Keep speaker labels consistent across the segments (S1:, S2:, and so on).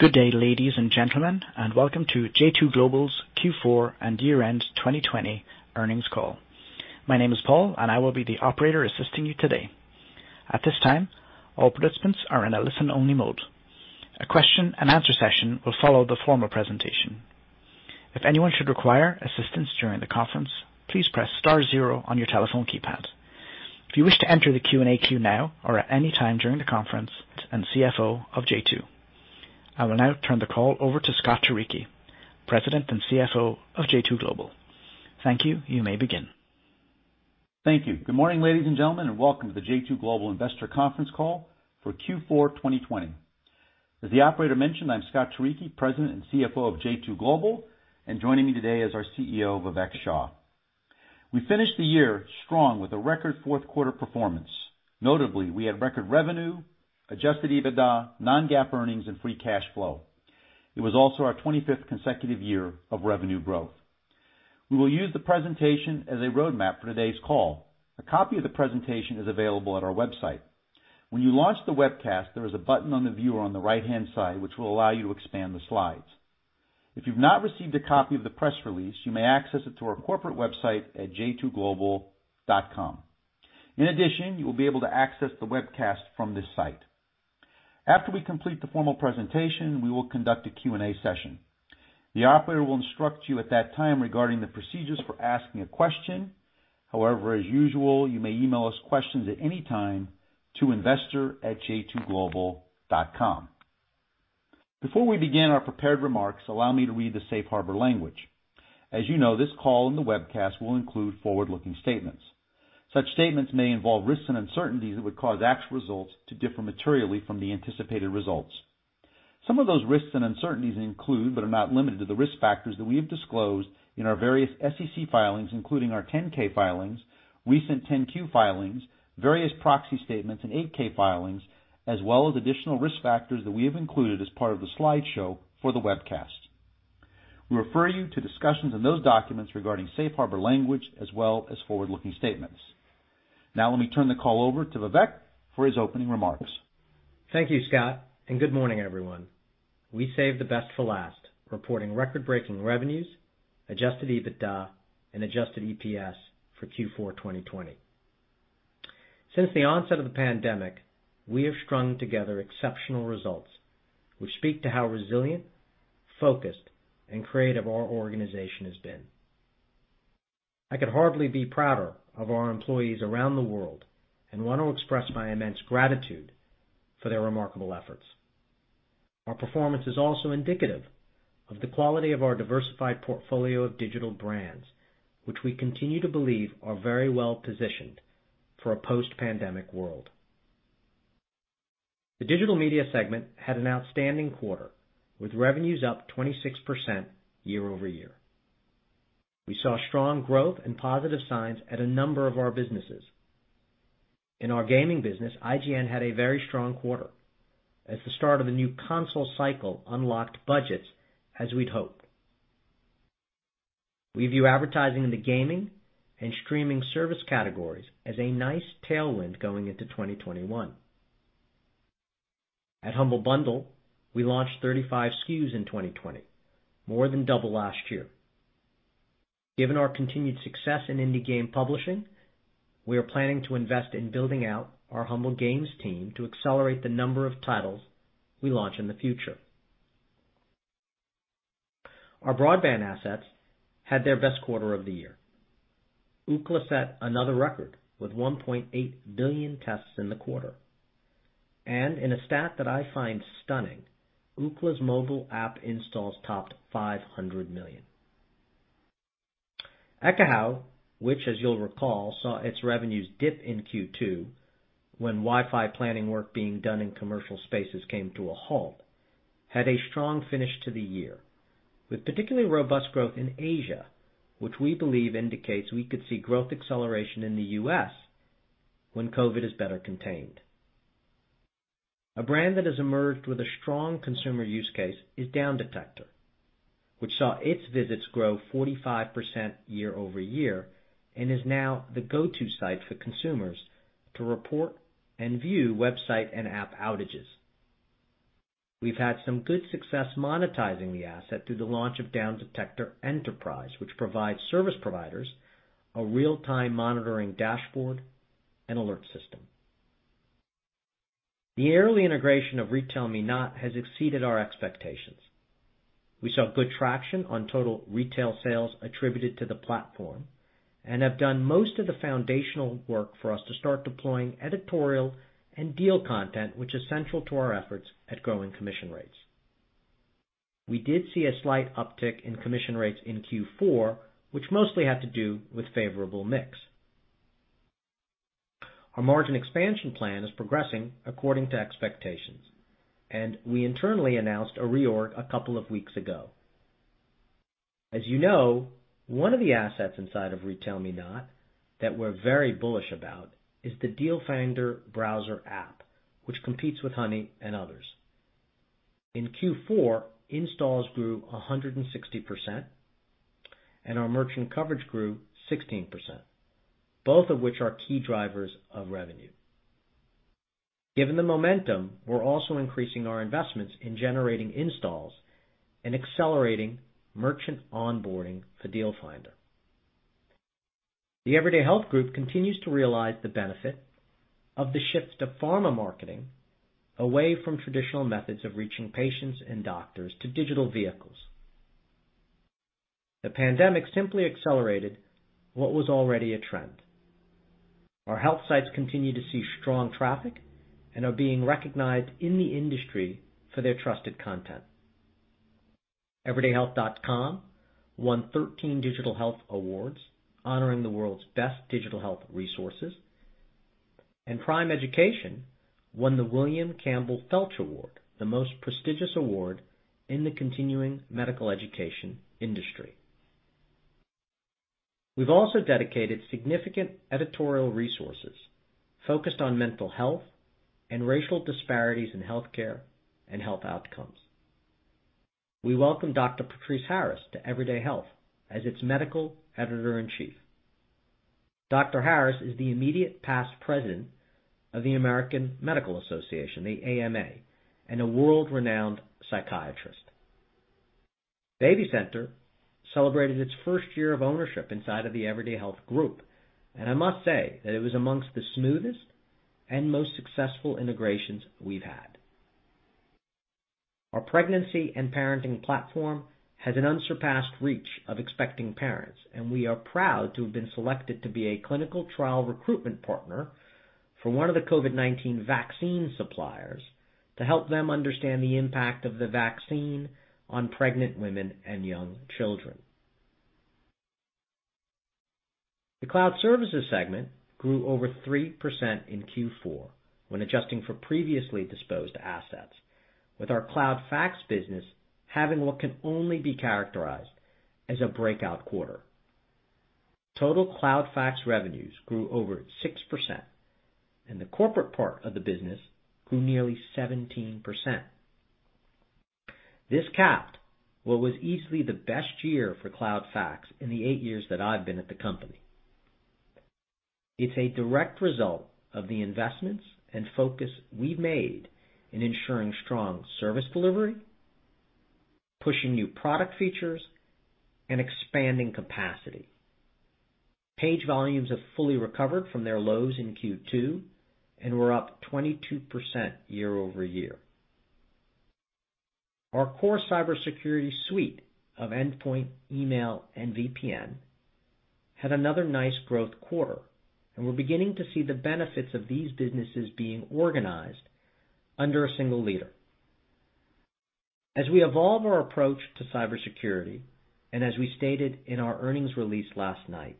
S1: Good day, ladies and gentlemen, and welcome to J2 Global's Q4 and year-end 2020 earnings call. My name is Paul, and I will be the operator assisting you today. At this time, all participants are in a listen-only mode. A question and answer session will follow the formal presentation. If anyone should require assistance during the conference, please press star zero on your telephone keypad. If you wish to enter the Q&A queue now or at any time during the conference. I will now turn the call over to Scott Turicchi, President and CFO of J2 Global. Thank you. You may begin.
S2: Thank you. Good morning, ladies and gentlemen, and welcome to the J2 Global investor conference call for Q4 2020. As the operator mentioned, I'm Scott Turicchi, President and CFO of J2 Global, and joining me today is our CEO, Vivek Shah. We finished the year strong with a record fourth quarter performance. Notably, we had record revenue, Adjusted EBITDA, non-GAAP earnings, and free cash flow. It was also our 25th consecutive year of revenue growth. We will use the presentation as a roadmap for today's call. A copy of the presentation is available on our website. When you launch the webcast, there is a button on the viewer on the right-hand side, which will allow you to expand the slides. If you've not received a copy of the press release, you may access it through our corporate website at j2global.com. In addition, you will be able to access the webcast from this site. After we complete the formal presentation, we will conduct a Q&A session. The operator will instruct you at that time regarding the procedures for asking a question. However, as usual, you may email us questions at any time to investor@j2global.com. Before we begin our prepared remarks, allow me to read the safe harbor language. As you know, this call and the webcast will include forward-looking statements. Such statements may involve risks and uncertainties that would cause actual results to differ materially from the anticipated results. Some of those risks and uncertainties include, but are not limited to, the risk factors that we have disclosed in our various SEC filings, including our 10-K filings, recent 10-Q filings, various proxy statements, and 8-K filings, as well as additional risk factors that we have included as part of the slideshow for the webcast. We refer you to discussions in those documents regarding safe harbor language as well as forward-looking statements. Now, let me turn the call over to Vivek for his opening remarks.
S3: Thank you, Scott. Good morning, everyone. We saved the best for last, reporting record-breaking revenues, Adjusted EBITDA, and adjusted EPS for Q4 2020. Since the onset of the pandemic, we have strung together exceptional results, which speak to how resilient, focused, and creative our organization has been. I could hardly be prouder of our employees around the world and want to express my immense gratitude for their remarkable efforts. Our performance is also indicative of the quality of our diversified portfolio of digital brands, which we continue to believe are very well-positioned for a post-pandemic world. The digital media segment had an outstanding quarter, with revenues up 26% year-over-year. We saw strong growth and positive signs at a number of our businesses. In our gaming business, IGN had a very strong quarter as the start of the new console cycle unlocked budgets as we'd hoped. We view advertising in the gaming and streaming service categories as a nice tailwind going into 2021. At Humble Bundle, we launched 35 SKUs in 2020, more than double last year. Given our continued success in indie game publishing, we are planning to invest in building out our Humble Games team to accelerate the number of titles we launch in the future. Our broadband assets had their best quarter of the year. Ookla set another record with 1.8 billion tests in the quarter. In a stat that I find stunning, Ookla's mobile app installs topped 500 million. Ekahau, which as you'll recall, saw its revenues dip in Q2 when Wi-Fi planning work being done in commercial spaces came to a halt, had a strong finish to the year, with particularly robust growth in Asia, which we believe indicates we could see growth acceleration in the U.S. when COVID is better contained. A brand that has emerged with a strong consumer use case is Downdetector, which saw its visits grow 45% year-over-year and is now the go-to site for consumers to report and view website and app outages. We've had some good success monetizing the asset through the launch of Downdetector Enterprise, which provides service providers a real-time monitoring dashboard and alert system. The early integration of RetailMeNot has exceeded our expectations. We saw good traction on total retail sales attributed to the platform and have done most of the foundational work for us to start deploying editorial and deal content, which is central to our efforts at growing commission rates. We did see a slight uptick in commission rates in Q4, which mostly had to do with favorable mix. Our margin expansion plan is progressing according to expectations, and we internally announced a reorg a couple of weeks ago. As you know, one of the assets inside of RetailMeNot that we're very bullish about is the Deal Finder browser app, which competes with Honey and others. In Q4, installs grew 160%. Our merchant coverage grew 16%, both of which are key drivers of revenue. Given the momentum, we're also increasing our investments in generating installs and accelerating merchant onboarding for Deal Finder. The Everyday Health Group continues to realize the benefit of the shift to pharma marketing, away from traditional methods of reaching patients and doctors to digital vehicles. The pandemic simply accelerated what was already a trend. Our health sites continue to see strong traffic and are being recognized in the industry for their trusted content. everydayhealth.com won 13 digital health awards honoring the world's best digital health resources, and PRIME Education won the William Campbell Felch Award, the most prestigious award in the continuing medical education industry. We've also dedicated significant editorial resources focused on mental health and racial disparities in healthcare and health outcomes. We welcome Dr. Patrice Harris to Everyday Health as its Medical Editor-in-Chief. Dr. Harris is the immediate past president of the American Medical Association, the AMA, and a world-renowned psychiatrist. BabyCenter celebrated its first year of ownership inside of the Everyday Health group. I must say that it was amongst the smoothest and most successful integrations we've had. Our pregnancy and parenting platform has an unsurpassed reach of expecting parents. We are proud to have been selected to be a clinical trial recruitment partner for one of the COVID-19 vaccine suppliers to help them understand the impact of the vaccine on pregnant women and young children. The Cloud Services segment grew over 3% in Q4 when adjusting for previously disposed assets, with our Cloud Fax business having what can only be characterized as a breakout quarter. Total Cloud Fax revenues grew over 6%. The corporate part of the business grew nearly 17%. This capped what was easily the best year for Cloud Fax in the eight years that I've been at the company. It's a direct result of the investments and focus we've made in ensuring strong service delivery, pushing new product features, and expanding capacity. Page volumes have fully recovered from their lows in Q2 and were up 22% year-over-year. Our core cybersecurity suite of endpoint, email, and VPN had another nice growth quarter, and we're beginning to see the benefits of these businesses being organized under a single leader. As we evolve our approach to cybersecurity, and as we stated in our earnings release last night,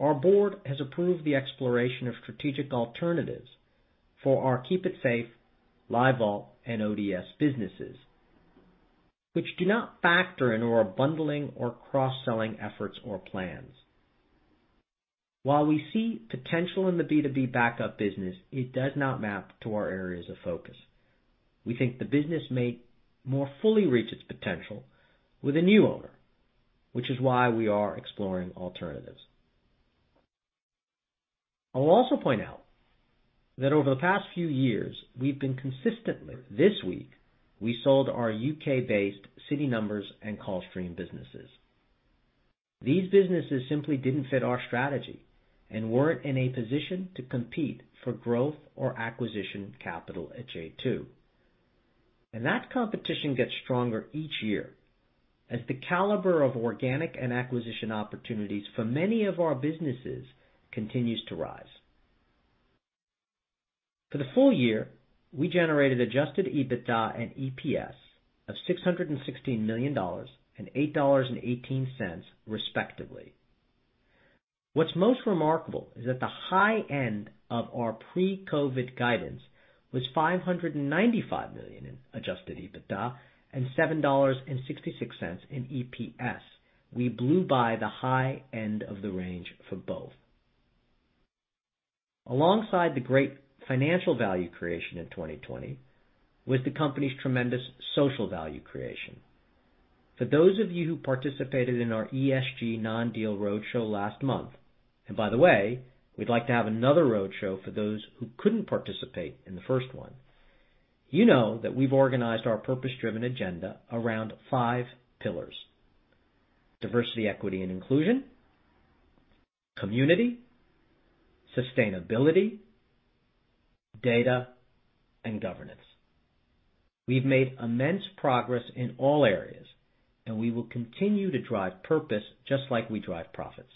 S3: our board has approved the exploration of strategic alternatives for our KeepItSafe, LiveVault, and OffsiteDataSync businesses, which do not factor into our bundling or cross-selling efforts or plans. While we see potential in the B2B backup business, it does not map to our areas of focus. We think the business may more fully reach its potential with a new owner, which is why we are exploring alternatives. I'll also point out that over the past few years, we've been consistently optimizing our portfolio. This week, we sold our U.K.-based City Numbers and Callstream businesses. These businesses simply didn't fit our strategy and weren't in a position to compete for growth or acquisition capital at J2. That competition gets stronger each year as the caliber of organic and acquisition opportunities for many of our businesses continues to rise. For the full year, we generated Adjusted EBITDA and EPS of $616 million and $8.18, respectively. What's most remarkable is that the high end of our pre-COVID guidance was $595 million in Adjusted EBITDA and $7.66 in EPS. We blew by the high end of the range for both. Alongside the great financial value creation in 2020 was the company's tremendous social value creation. For those of you who participated in our ESG non-deal roadshow last month, and by the way, we'd like to have another roadshow for those who couldn't participate in the first one, you know that we've organized our purpose-driven agenda around five pillars: diversity, equity, and inclusion, community, sustainability, data, and governance. We've made immense progress in all areas, and we will continue to drive purpose just like we drive profits.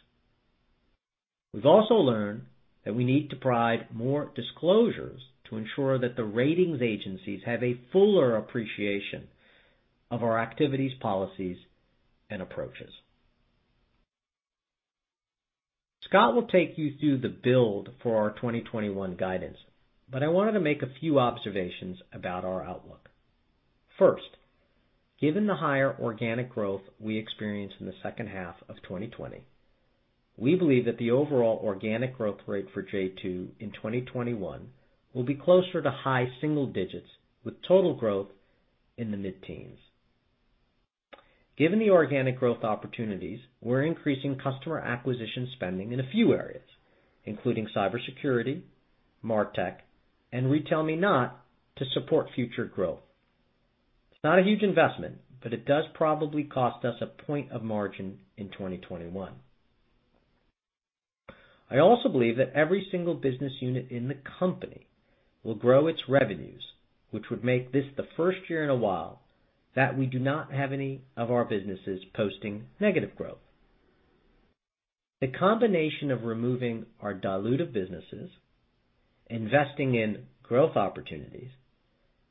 S3: We've also learned that we need to provide more disclosures to ensure that the ratings agencies have a fuller appreciation of our activities, policies, and approaches. Scott will take you through the build for our 2021 guidance, but I wanted to make a few observations about our outlook. First, given the higher organic growth we experienced in the second half of 2020, we believe that the overall organic growth rate for J2 Global in 2021 will be closer to high single digits with total growth in the mid-teens. Given the organic growth opportunities, we're increasing customer acquisition spending in a few areas, including cybersecurity, MarTech, and RetailMeNot to support future growth. It's not a huge investment, but it does probably cost us a point of margin in 2021. I also believe that every single business unit in the company will grow its revenues, which would make this the first year in a while that we do not have any of our businesses posting negative growth. The combination of removing our dilutive businesses, investing in growth opportunities,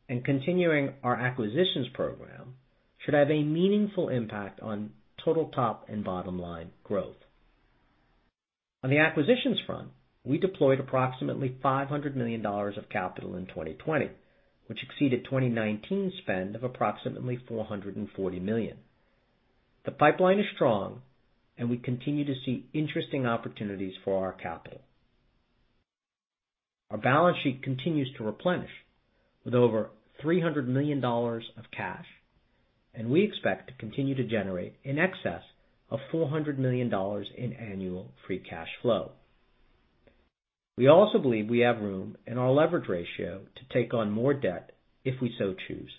S3: and continuing our acquisitions program should have a meaningful impact on total top and bottom-line growth. On the acquisitions front, we deployed approximately $500 million of capital in 2020, which exceeded 2019 spend of approximately $440 million. The pipeline is strong, and we continue to see interesting opportunities for our capital. Our balance sheet continues to replenish with over $300 million of cash, and we expect to continue to generate in excess of $400 million in annual free cash flow. We also believe we have room in our leverage ratio to take on more debt if we so choose.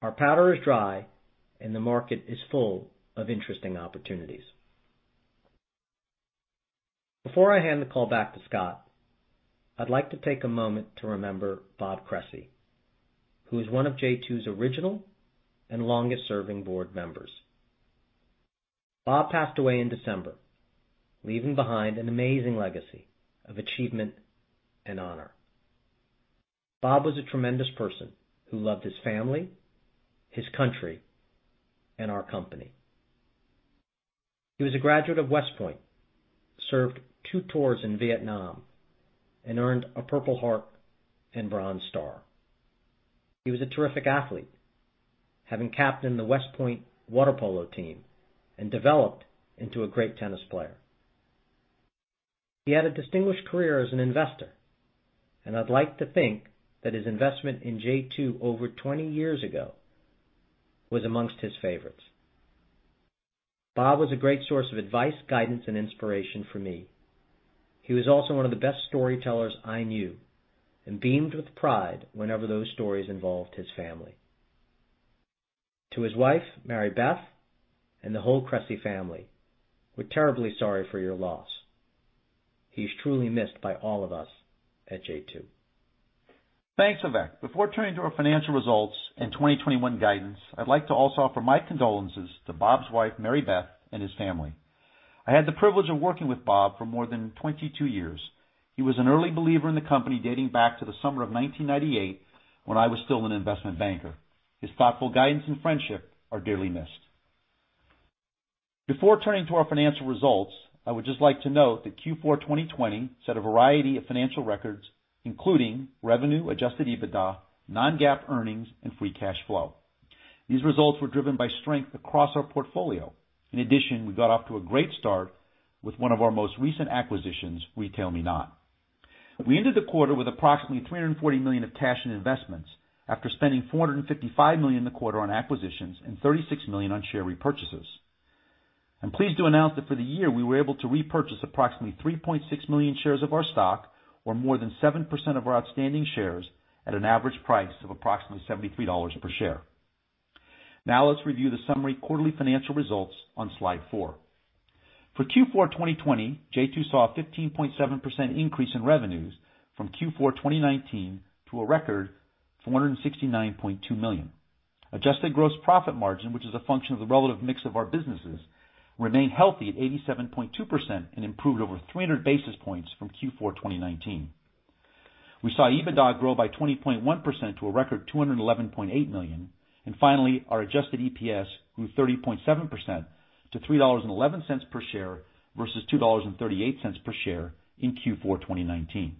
S3: Our powder is dry, and the market is full of interesting opportunities. Before I hand the call back to Scott, I'd like to take a moment to remember Bob Cresci, who is one of J2's original and longest-serving board members. Bob passed away in December, leaving behind an amazing legacy of achievement and honor. Bob was a tremendous person who loved his family, his country, and our company. He was a graduate of West Point, served two tours in Vietnam, and earned a Purple Heart and Bronze Star. He was a terrific athlete, having captained the West Point water polo team and developed into a great tennis player. He had a distinguished career as an investor, and I'd like to think that his investment in J2 over 20 years ago was amongst his favorites. Bob was a great source of advice, guidance, and inspiration for me. He was also one of the best storytellers I knew and beamed with pride whenever those stories involved his family. To his wife, Mary Beth, and the whole Cresci family, we're terribly sorry for your loss. He's truly missed by all of us at J2.
S2: Thanks, Vivek. Before turning to our financial results and 2021 guidance, I'd like to also offer my condolences to Bob's wife, Mary Beth, and his family. I had the privilege of working with Bob for more than 22 years. He was an early believer in the company dating back to the summer of 1998 when I was still an investment banker. His thoughtful guidance and friendship are dearly missed. Before turning to our financial results, I would just like to note that Q4 2020 set a variety of financial records, including revenue, Adjusted EBITDA, non-GAAP earnings, and free cash flow. These results were driven by strength across our portfolio. In addition, we got off to a great start with one of our most recent acquisitions, RetailMeNot. We ended the quarter with approximately $340 million of cash and investments after spending $455 million in the quarter on acquisitions and $36 million on share repurchases. I'm pleased to announce that for the year, we were able to repurchase approximately 3.6 million shares of our stock, or more than 7% of our outstanding shares, at an average price of approximately $73 per share. Now, let's review the summary quarterly financial results on slide four. For Q4 2020, J2 saw a 15.7% increase in revenues from Q4 2019 to a record $469.2 million. Adjusted gross profit margin, which is a function of the relative mix of our businesses, remained healthy at 87.2% and improved over 300 basis points from Q4 2019. We saw EBITDA grow by 20.1% to a record $211.8 million. Finally, our adjusted EPS grew 30.7% to $3.11 per share versus $2.38 per share in Q4 2019.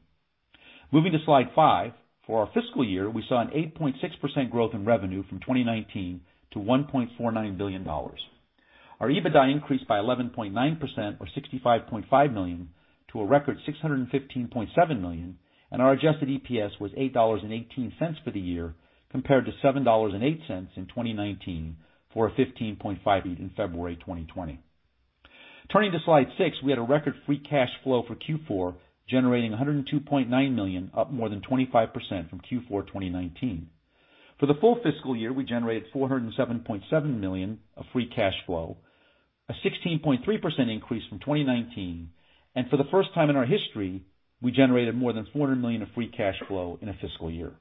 S2: Moving to slide five. For our fiscal year, we saw an 8.6% growth in revenue from 2019 to $1.49 billion. Our EBITDA increased by 11.9% or $65.5 million to a record $615.7 million. Our adjusted EPS was $8.18 for the year, compared to $7.08 in 2019 for a 15.5% in February 2020. Turning to slide six, we had a record free cash flow for Q4, generating $102.9 million, up more than 25% from Q4 2019. For the full fiscal year, we generated $407.7 million of free cash flow, a 16.3% increase from 2019. For the first time in our history, we generated more than $400 million of free cash flow in a fiscal year.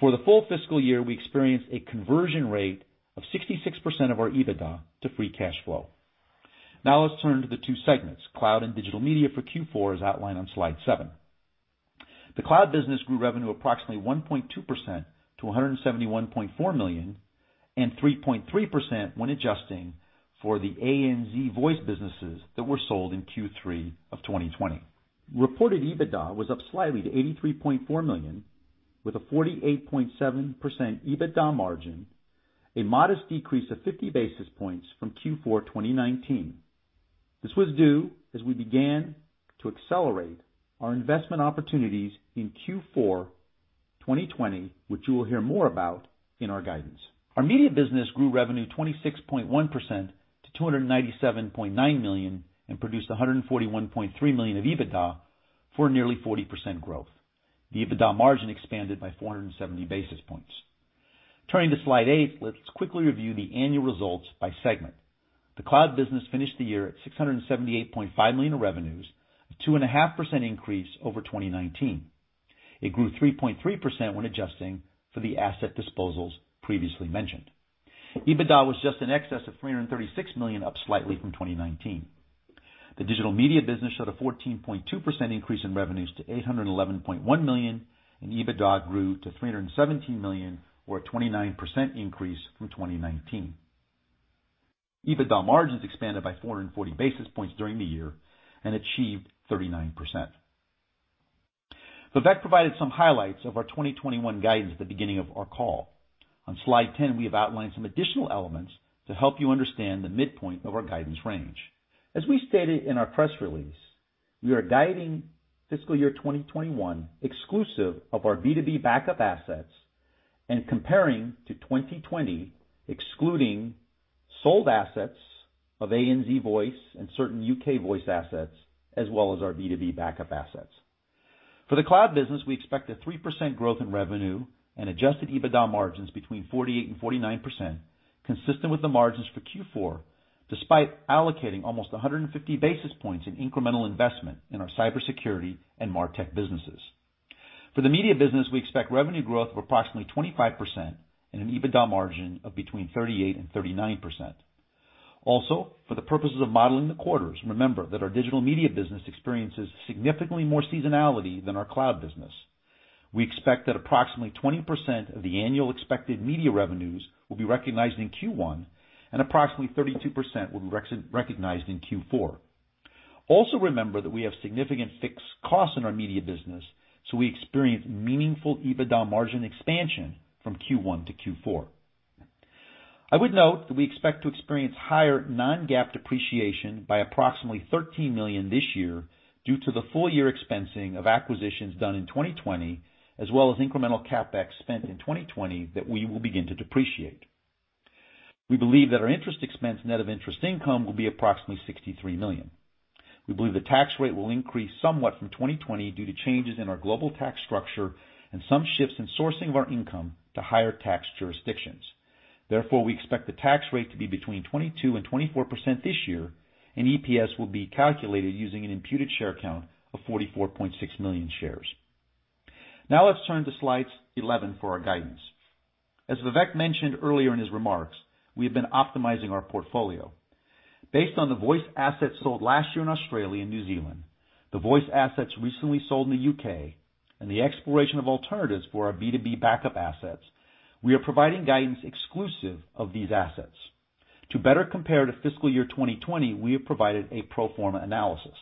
S2: For the full fiscal year, we experienced a conversion rate of 66% of our EBITDA to free cash flow. Now let's turn to the two segments, Cloud and Digital Media for Q4 as outlined on slide seven. The Cloud business grew revenue approximately 1.2% to $171.4 million and 3.3% when adjusting for the ANZ voice businesses that were sold in Q3 of 2020. Reported EBITDA was up slightly to $83.4 million. With a 48.7% EBITDA margin, a modest decrease of 50 basis points from Q4 2019. This was due as we began to accelerate our investment opportunities in Q4 2020, which you will hear more about in our guidance. Our Media business grew revenue 26.1% to $297.9 million, and produced $141.3 million of EBITDA for nearly 40% growth. The EBITDA margin expanded by 470 basis points. Turning to slide eight, let's quickly review the annual results by segment. The Cloud business finished the year at $678.5 million in revenues, a 2.5% increase over 2019. It grew 3.3% when adjusting for the asset disposals previously mentioned. EBITDA was just in excess of $336 million, up slightly from 2019. The digital media business showed a 14.2% increase in revenues to $811.1 million, and EBITDA grew to $317 million, or a 29% increase from 2019. EBITDA margins expanded by 440 basis points during the year and achieved 39%. Vivek provided some highlights of our 2021 guidance at the beginning of our call. On slide 10, we have outlined some additional elements to help you understand the midpoint of our guidance range. As we stated in our press release, we are guiding fiscal year 2021 exclusive of our B2B backup assets and comparing to 2020, excluding sold assets of ANZ Voice and certain U.K. Voice assets, as well as our B2B backup assets. For the cloud business, we expect a 3% growth in revenue and Adjusted EBITDA margins between 48% and 49%, consistent with the margins for Q4, despite allocating almost 150 basis points in incremental investment in our cybersecurity and MarTech businesses. For the media business, we expect revenue growth of approximately 25% and an EBITDA margin of between 38% and 39%. Also, for the purposes of modeling the quarters, remember that our digital media business experiences significantly more seasonality than our cloud business. We expect that approximately 20% of the annual expected media revenues will be recognized in Q1, and approximately 32% will be recognized in Q4. Also remember that we have significant fixed costs in our media business, so we experience meaningful EBITDA margin expansion from Q1 to Q4. I would note that we expect to experience higher non-GAAP depreciation by approximately $13 million this year due to the full year expensing of acquisitions done in 2020, as well as incremental CapEx spent in 2020 that we will begin to depreciate. We believe that our interest expense net of interest income will be approximately $63 million. We believe the tax rate will increase somewhat from 2020 due to changes in our global tax structure and some shifts in sourcing of our income to higher tax jurisdictions. Therefore, we expect the tax rate to be between 22% and 24% this year, and EPS will be calculated using an imputed share count of 44.6 million shares. Now, let's turn to slides 11 for our guidance. As Vivek mentioned earlier in his remarks, we have been optimizing our portfolio. Based on the voice assets sold last year in Australia and New Zealand, the voice assets recently sold in the U.K., and the exploration of alternatives for our B2B backup assets, we are providing guidance exclusive of these assets. To better compare to fiscal year 2020, we have provided a pro forma analysis.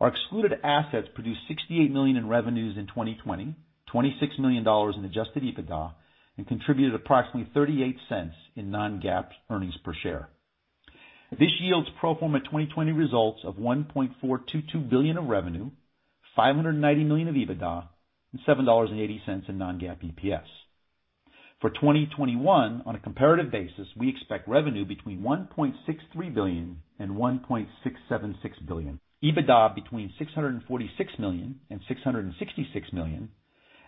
S2: Our excluded assets produced $68 million in revenues in 2020, $26 million in Adjusted EBITDA, and contributed approximately $0.38 in non-GAAP earnings per share. This yields pro forma 2020 results of $1.422 billion of revenue, $590 million of EBITDA, and $7.80 in non-GAAP EPS. For 2021, on a comparative basis, we expect revenue between $1.63 billion and $1.676 billion, EBITDA between $646 million and $666 million,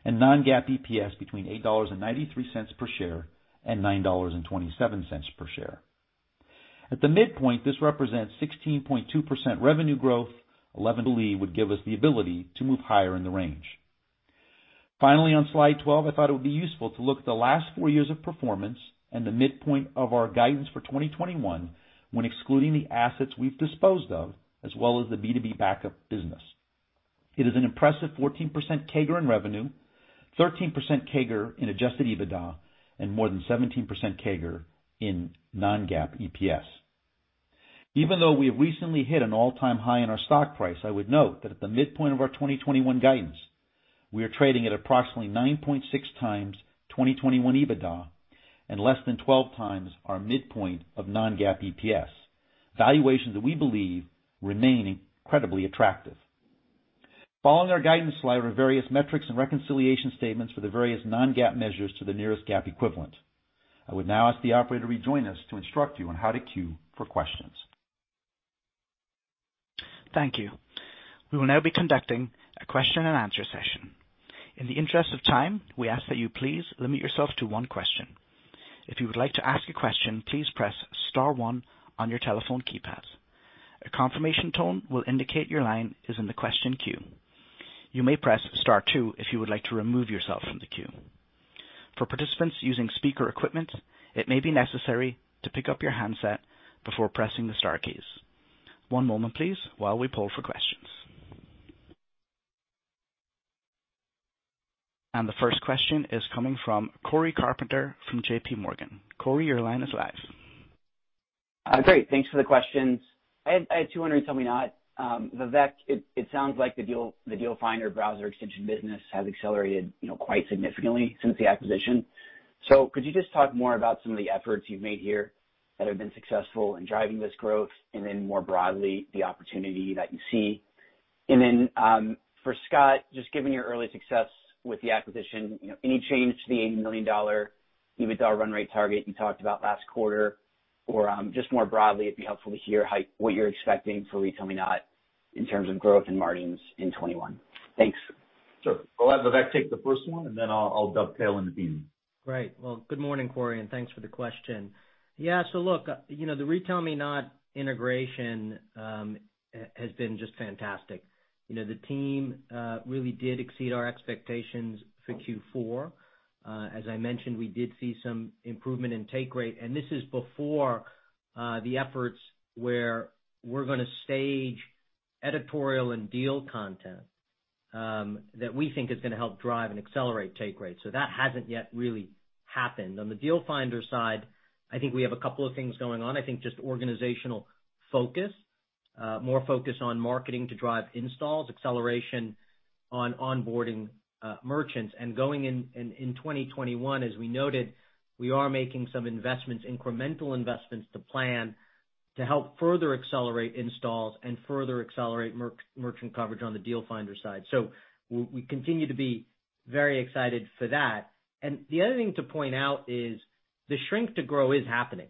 S2: and non-GAAP EPS between $8.93 per share and $9.27 per share. At the midpoint, this represents 16.2% revenue growth -- believe would give us the ability to move higher in the range. Finally, on slide 12, I thought it would be useful to look at the last four years of performance and the midpoint of our guidance for 2021 when excluding the assets we've disposed of, as well as the B2B backup business. It is an impressive 14% CAGR in revenue, 13% CAGR in Adjusted EBITDA, and more than 17% CAGR in non-GAAP EPS. Even though we have recently hit an all-time high in our stock price, I would note that at the midpoint of our 2021 guidance, we are trading at approximately 9.6 times 2021 EBITDA and less than 12 times our midpoint of non-GAAP EPS. Valuations that we believe remain incredibly attractive. Following our guidance slide are various metrics and reconciliation statements for the various non-GAAP measures to the nearest GAAP equivalent. I would now ask the operator to rejoin us to instruct you on how to queue for questions.
S1: Thank you. We will now be conducting a question and answer session. In the interest of time, we ask that you please limit yourself to one question. If you would like to ask a question, please press star one on your telephone keypad. A confirmation tone will indicate your line is in the question queue. You may press star two if you would like to remove yourself from the queue. For participants using speaker equipment, it may be necessary to pick up your handset before pressing the star keys. One moment, please, while we poll for questions. The first question is coming from Cory Carpenter from JPMorgan. Cory, your line is live.
S4: Great. Thanks for the questions. I had two on RetailMeNot. Vivek, it sounds like the DealFinder browser extension business has accelerated quite significantly since the acquisition. Could you just talk more about some of the efforts you've made here that have been successful in driving this growth, and then more broadly, the opportunity that you see? and then for Scott, just given your early success with the acquisition, any change to the $80 million EBITDA run rate target you talked about last quarter? Just more broadly, it'd be helpful to hear what you're expecting for RetailMeNot in terms of growth and margins in 2021. Thanks.
S2: Sure. I'll have Vivek take the first one, and then I'll dovetail on the [B2B].
S3: Great. Well, good morning, Cory, and thanks for the question. Yeah, look, the RetailMeNot integration has been just fantastic. The team really did exceed our expectations for Q4. As I mentioned, we did see some improvement in take rate, and this is before the efforts where we're going to stage editorial and deal content that we think is going to help drive and accelerate take rate. That hasn't yet really happened. On the DealFinder side, I think we have a couple of things going on. I think just organizational focus, more focus on marketing to drive installs, acceleration on onboarding merchants, and going in 2021, as we noted, we are making some incremental investments to plan to help further accelerate installs and further accelerate merchant coverage on the DealFinder side. We continue to be very excited for that. The other thing to point out is the shrink to grow is happening.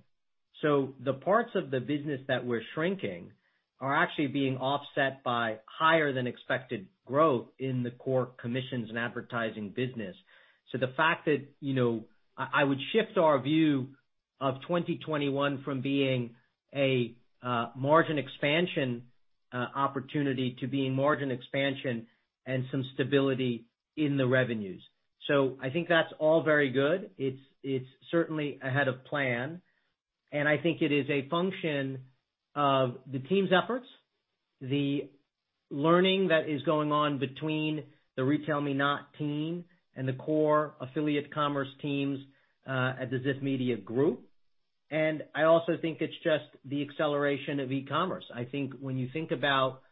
S3: The parts of the business that we're shrinking are actually being offset by higher than expected growth in the core commissions and advertising business. I would shift our view of 2021 from being a margin expansion opportunity to being margin expansion and some stability in the revenues. I think that's all very good. It's certainly ahead of plan, and I think it is a function of the team's efforts, the learning that is going on between the RetailMeNot team and the core affiliate commerce teams at the Ziff Davis group and I also think it's just the acceleration of e-commerce. I think when you think about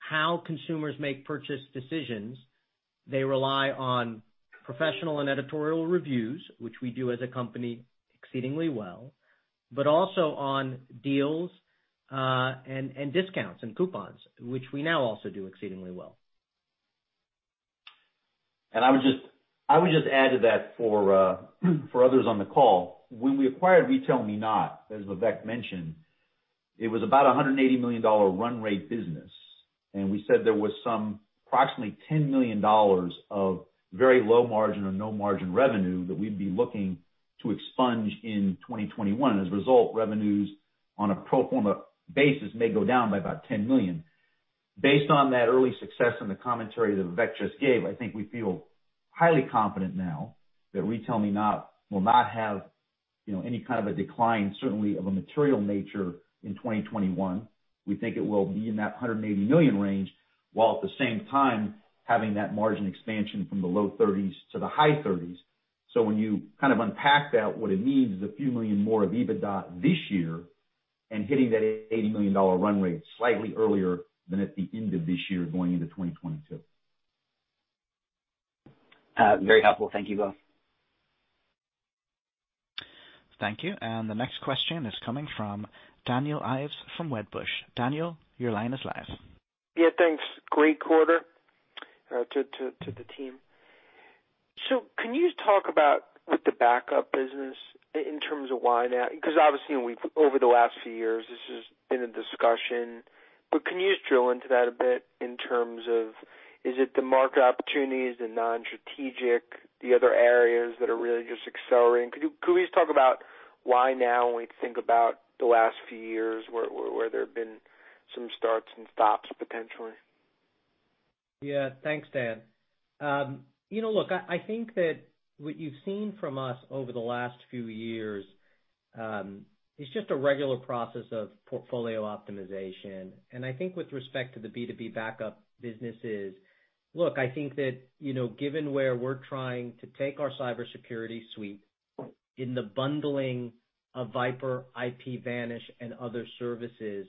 S3: how consumers make purchase decisions, they rely on professional and editorial reviews, which we do as a company exceedingly well, but also on deals and discounts and coupons, which we now also do exceedingly well.
S2: I would just add to that for others on the call. When we acquired RetailMeNot, as Vivek mentioned, it was about a $180 million run rate business, and we said there was some approximately $10 million of very low margin or no margin revenue that we'd be looking to expunge in 2021. As a result, revenues on a pro forma basis may go down by about $10 million. Based on that early success and the commentary that Vivek just gave, I think we feel highly confident now that RetailMeNot will not have any kind of a decline, certainly of a material nature in 2021. We think it will be in that $180 million range, while at the same time having that margin expansion from the low 30s to the high 30s. When you kind of unpack that, what it means is a few million more of EBITDA this year and hitting that $80 million run rate slightly earlier than at the end of this year going into 2022.
S4: Very helpful. Thank you both.
S1: Thank you. The next question is coming from Daniel Ives from Wedbush. Daniel, your line is live.
S5: Yeah, thanks. Great quarter to the team. Can you talk about with the backup business in terms of why now? Because obviously, over the last few years, this has been a discussion, but can you just drill into that a bit in terms of, is it the market opportunities, the non-strategic, the other areas that are really just accelerating? Could we just talk about why now when we think about the last few years where there have been some starts and stops potentially?
S3: Yeah. Thanks, Dan. You know, look, I think that what you've seen from us over the last few years is just a regular process of portfolio optimization. I think with respect to the B2B backup businesses, look, I think that given where we're trying to take our cybersecurity suite in the bundling of VIPRE, IPVanish, and other services,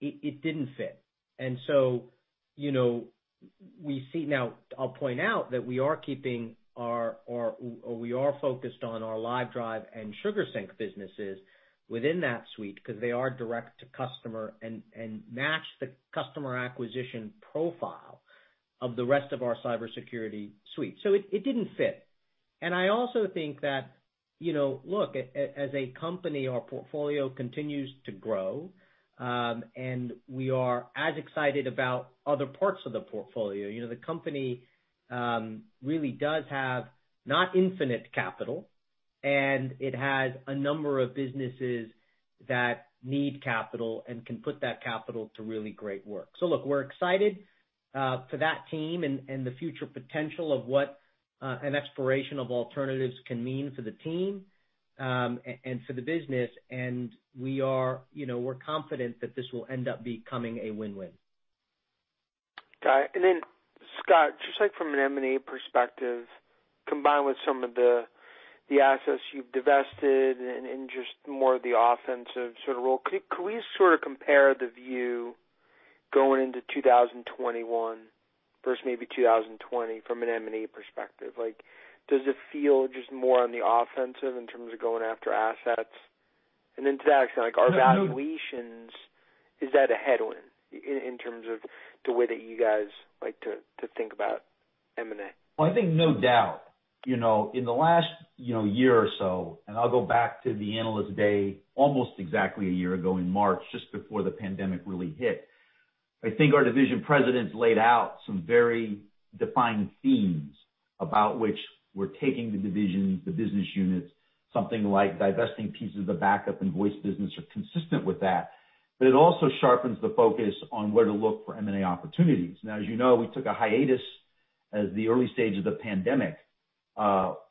S3: it didn't fit. I'll point out that we are keeping or we are focused on our Livedrive and SugarSync businesses within that suite because they are direct to customer and match the customer acquisition profile of the rest of our cybersecurity suite. It didn't fit. I also think that, you know, look as a company, our portfolio continues to grow, and we are as excited about other parts of the portfolio. The company really does have not infinite capital, and it has a number of businesses that need capital and can put that capital to really great work. Look, we're excited for that team and the future potential of what an exploration of alternatives can mean for the team and for the business. We're confident that this will end up becoming a win-win.
S5: Got it. Then Scott, just from an M&A perspective, combined with some of the assets you've divested and just more of the offensive sort of role, could we sort of compare the view going into 2021 versus maybe 2020 from an M&A perspective? Does it feel just more on the offensive in terms of going after assets? Then to that extent, like our valuations, is that a headwind in terms of the way that you guys like to think about M&A?
S2: Well, I think no doubt. In the last year or so, I'll go back to the Analyst Day, almost exactly a year ago in March, just before the pandemic really hit, I think our division presidents laid out some very defining themes about which we're taking the divisions, the business units. Something like divesting pieces of the backup and voice business are consistent with that, but it also sharpens the focus on where to look for M&A opportunities. As you know, we took a hiatus as the early stage of the pandemic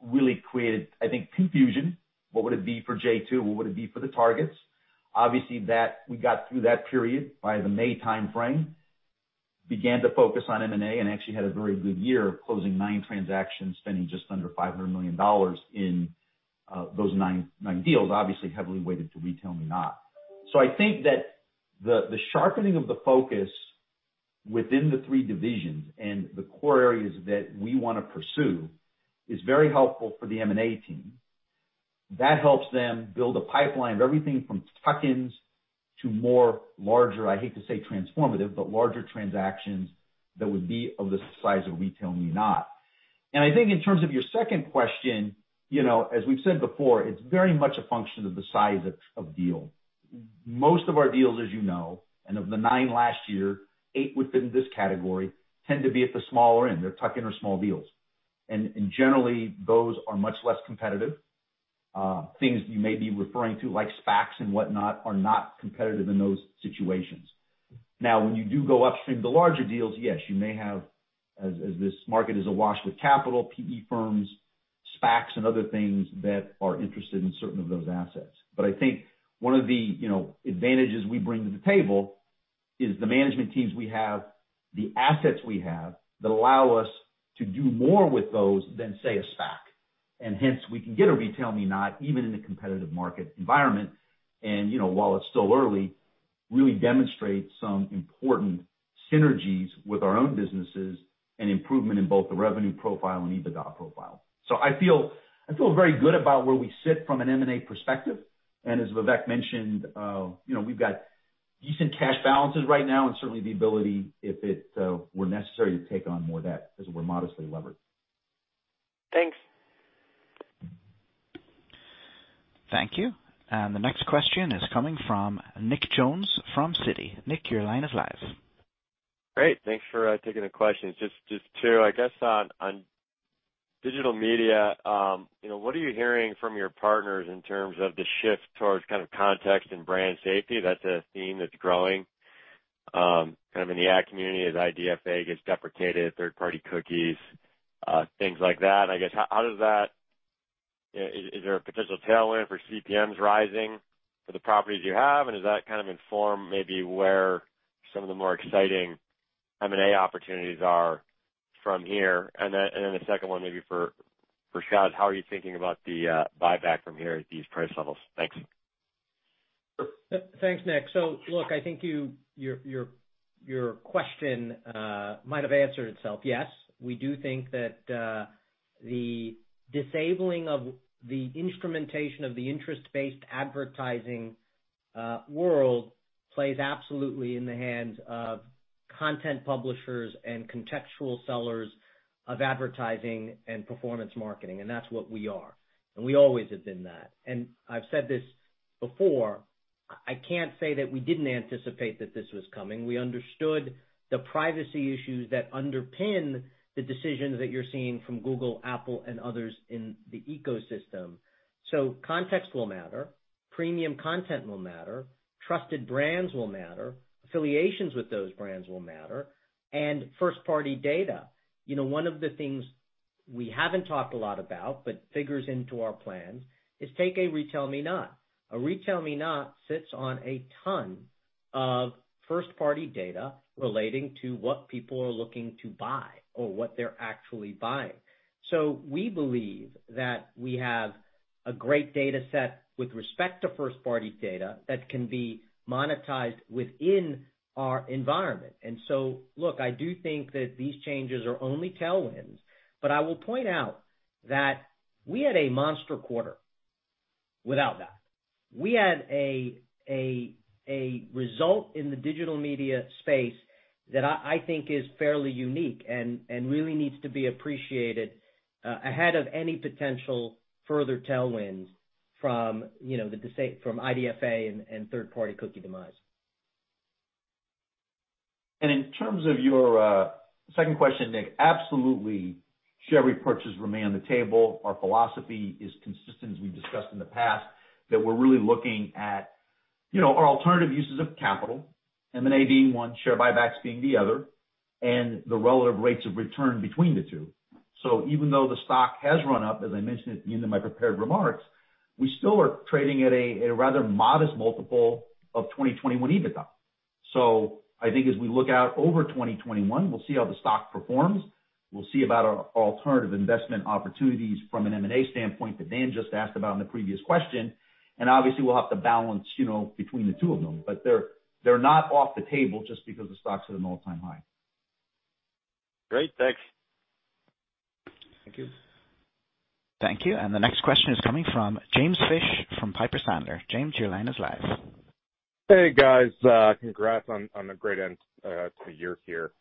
S2: really created, I think, confusion. What would it be for J2? What would it be for the targets? Obviously, we got through that period by the May timeframe, began to focus on M&A, and actually had a very good year of closing nine transactions, spending just under $500 million in those nine deals, obviously heavily weighted to RetailMeNot. I think that the sharpening of the focus within the three divisions and the core areas that we want to pursue is very helpful for the M&A team. That helps them build a pipeline of everything from tuck-ins to more larger, I hate to say transformative, but larger transactions that would be of the size of RetailMeNot. I think in terms of your second question, you know, as we've said before, it's very much a function of the size of deal. Most of our deals, as you know, and of the nine last year, eight within this category, tend to be at the smaller end. They're tuck-in or small deals. Generally, those are much less competitive. Things you may be referring to like SPACs and whatnot are not competitive in those situations. Now, when you do go upstream to the larger deals, yes, you may have, as this market is awash with capital, PE firms, SPACs, and other things that are interested in certain of those assets. I think one of the advantages we bring to the table is the management teams we have, the assets we have, that allow us to do more with those than, say, a SPAC. Hence, we can get a RetailMeNot even in a competitive market environment, and you know, while it's still early, really demonstrate some important synergies with our own businesses and improvement in both the revenue profile and EBITDA profile. I feel very good about where we sit from an M&A perspective. As Vivek mentioned, you know, we've got decent cash balances right now and certainly the ability, if it were necessary to take on more debt as we're modestly levered.
S5: Thanks.
S1: Thank you. The next question is coming from Nick Jones from Citi. Nick, your line is live.
S6: Great. Thanks for taking the questions. I guess, on digital media, what are you hearing from your partners in terms of the shift towards kind of context and brand safety? That's a theme that's growing kind of in the ad community as IDFA gets deprecated, third-party cookies, things like that. I guess, how does that -- is there a potential tailwind for CPMs rising for the properties you have? Does that kind of inform maybe where some of the more exciting M&A opportunities are from here? The second one maybe for Scott, how are you thinking about the buyback from here at these price levels? Thanks.
S3: Thanks, Nick. Look, I think your question might have answered itself. Yes, we do think that the disabling of the instrumentation of the interest-based advertising world plays absolutely in the hands of content publishers and contextual sellers of advertising and performance marketing, and that's what we are. We always have been that. I've said this before, I can't say that we didn't anticipate that this was coming. We understood the privacy issues that underpin the decisions that you're seeing from Google, Apple, and others in the ecosystem. Context will matter, premium content will matter, trusted brands will matter, affiliations with those brands will matter, and first-party data. You know, one of the things we haven't talked a lot about but figures into our plans is take a RetailMeNot. A RetailMeNot sits on a ton of first-party data relating to what people are looking to buy or what they're actually buying. We believe that we have a great data set with respect to first-party data that can be monetized within our environment. Look, I do think that these changes are only tailwinds, but I will point out that we had a monster quarter without that. We had a result in the digital media space that I think is fairly unique and really needs to be appreciated ahead of any potential further tailwinds from IDFA and third-party cookie demise.
S2: In terms of your second question, Nick, absolutely share repurchases remain on the table. Our philosophy is consistent as we've discussed in the past, that we're really looking at, you know, our alternative uses of capital, M&A being one, share buybacks being the other, and the relative rates of return between the two. Even though the stock has run up, as I mentioned in my prepared remarks, we still are trading at a rather modest multiple of 2021 EBITDA. I think as we look out over 2021, we'll see how the stock performs. We'll see about our alternative investment opportunities from an M&A standpoint that Daniel just asked about in the previous question. Obviously, we'll have to balance between the two of them, but they're not off the table just because the stock's at an all-time high.
S6: Great. Thanks.
S2: Thank you.
S1: Thank you. The next question is coming from James Fish from Piper Sandler. James, your line is live.
S7: Hey, guys. Congrats on the great end to the year here.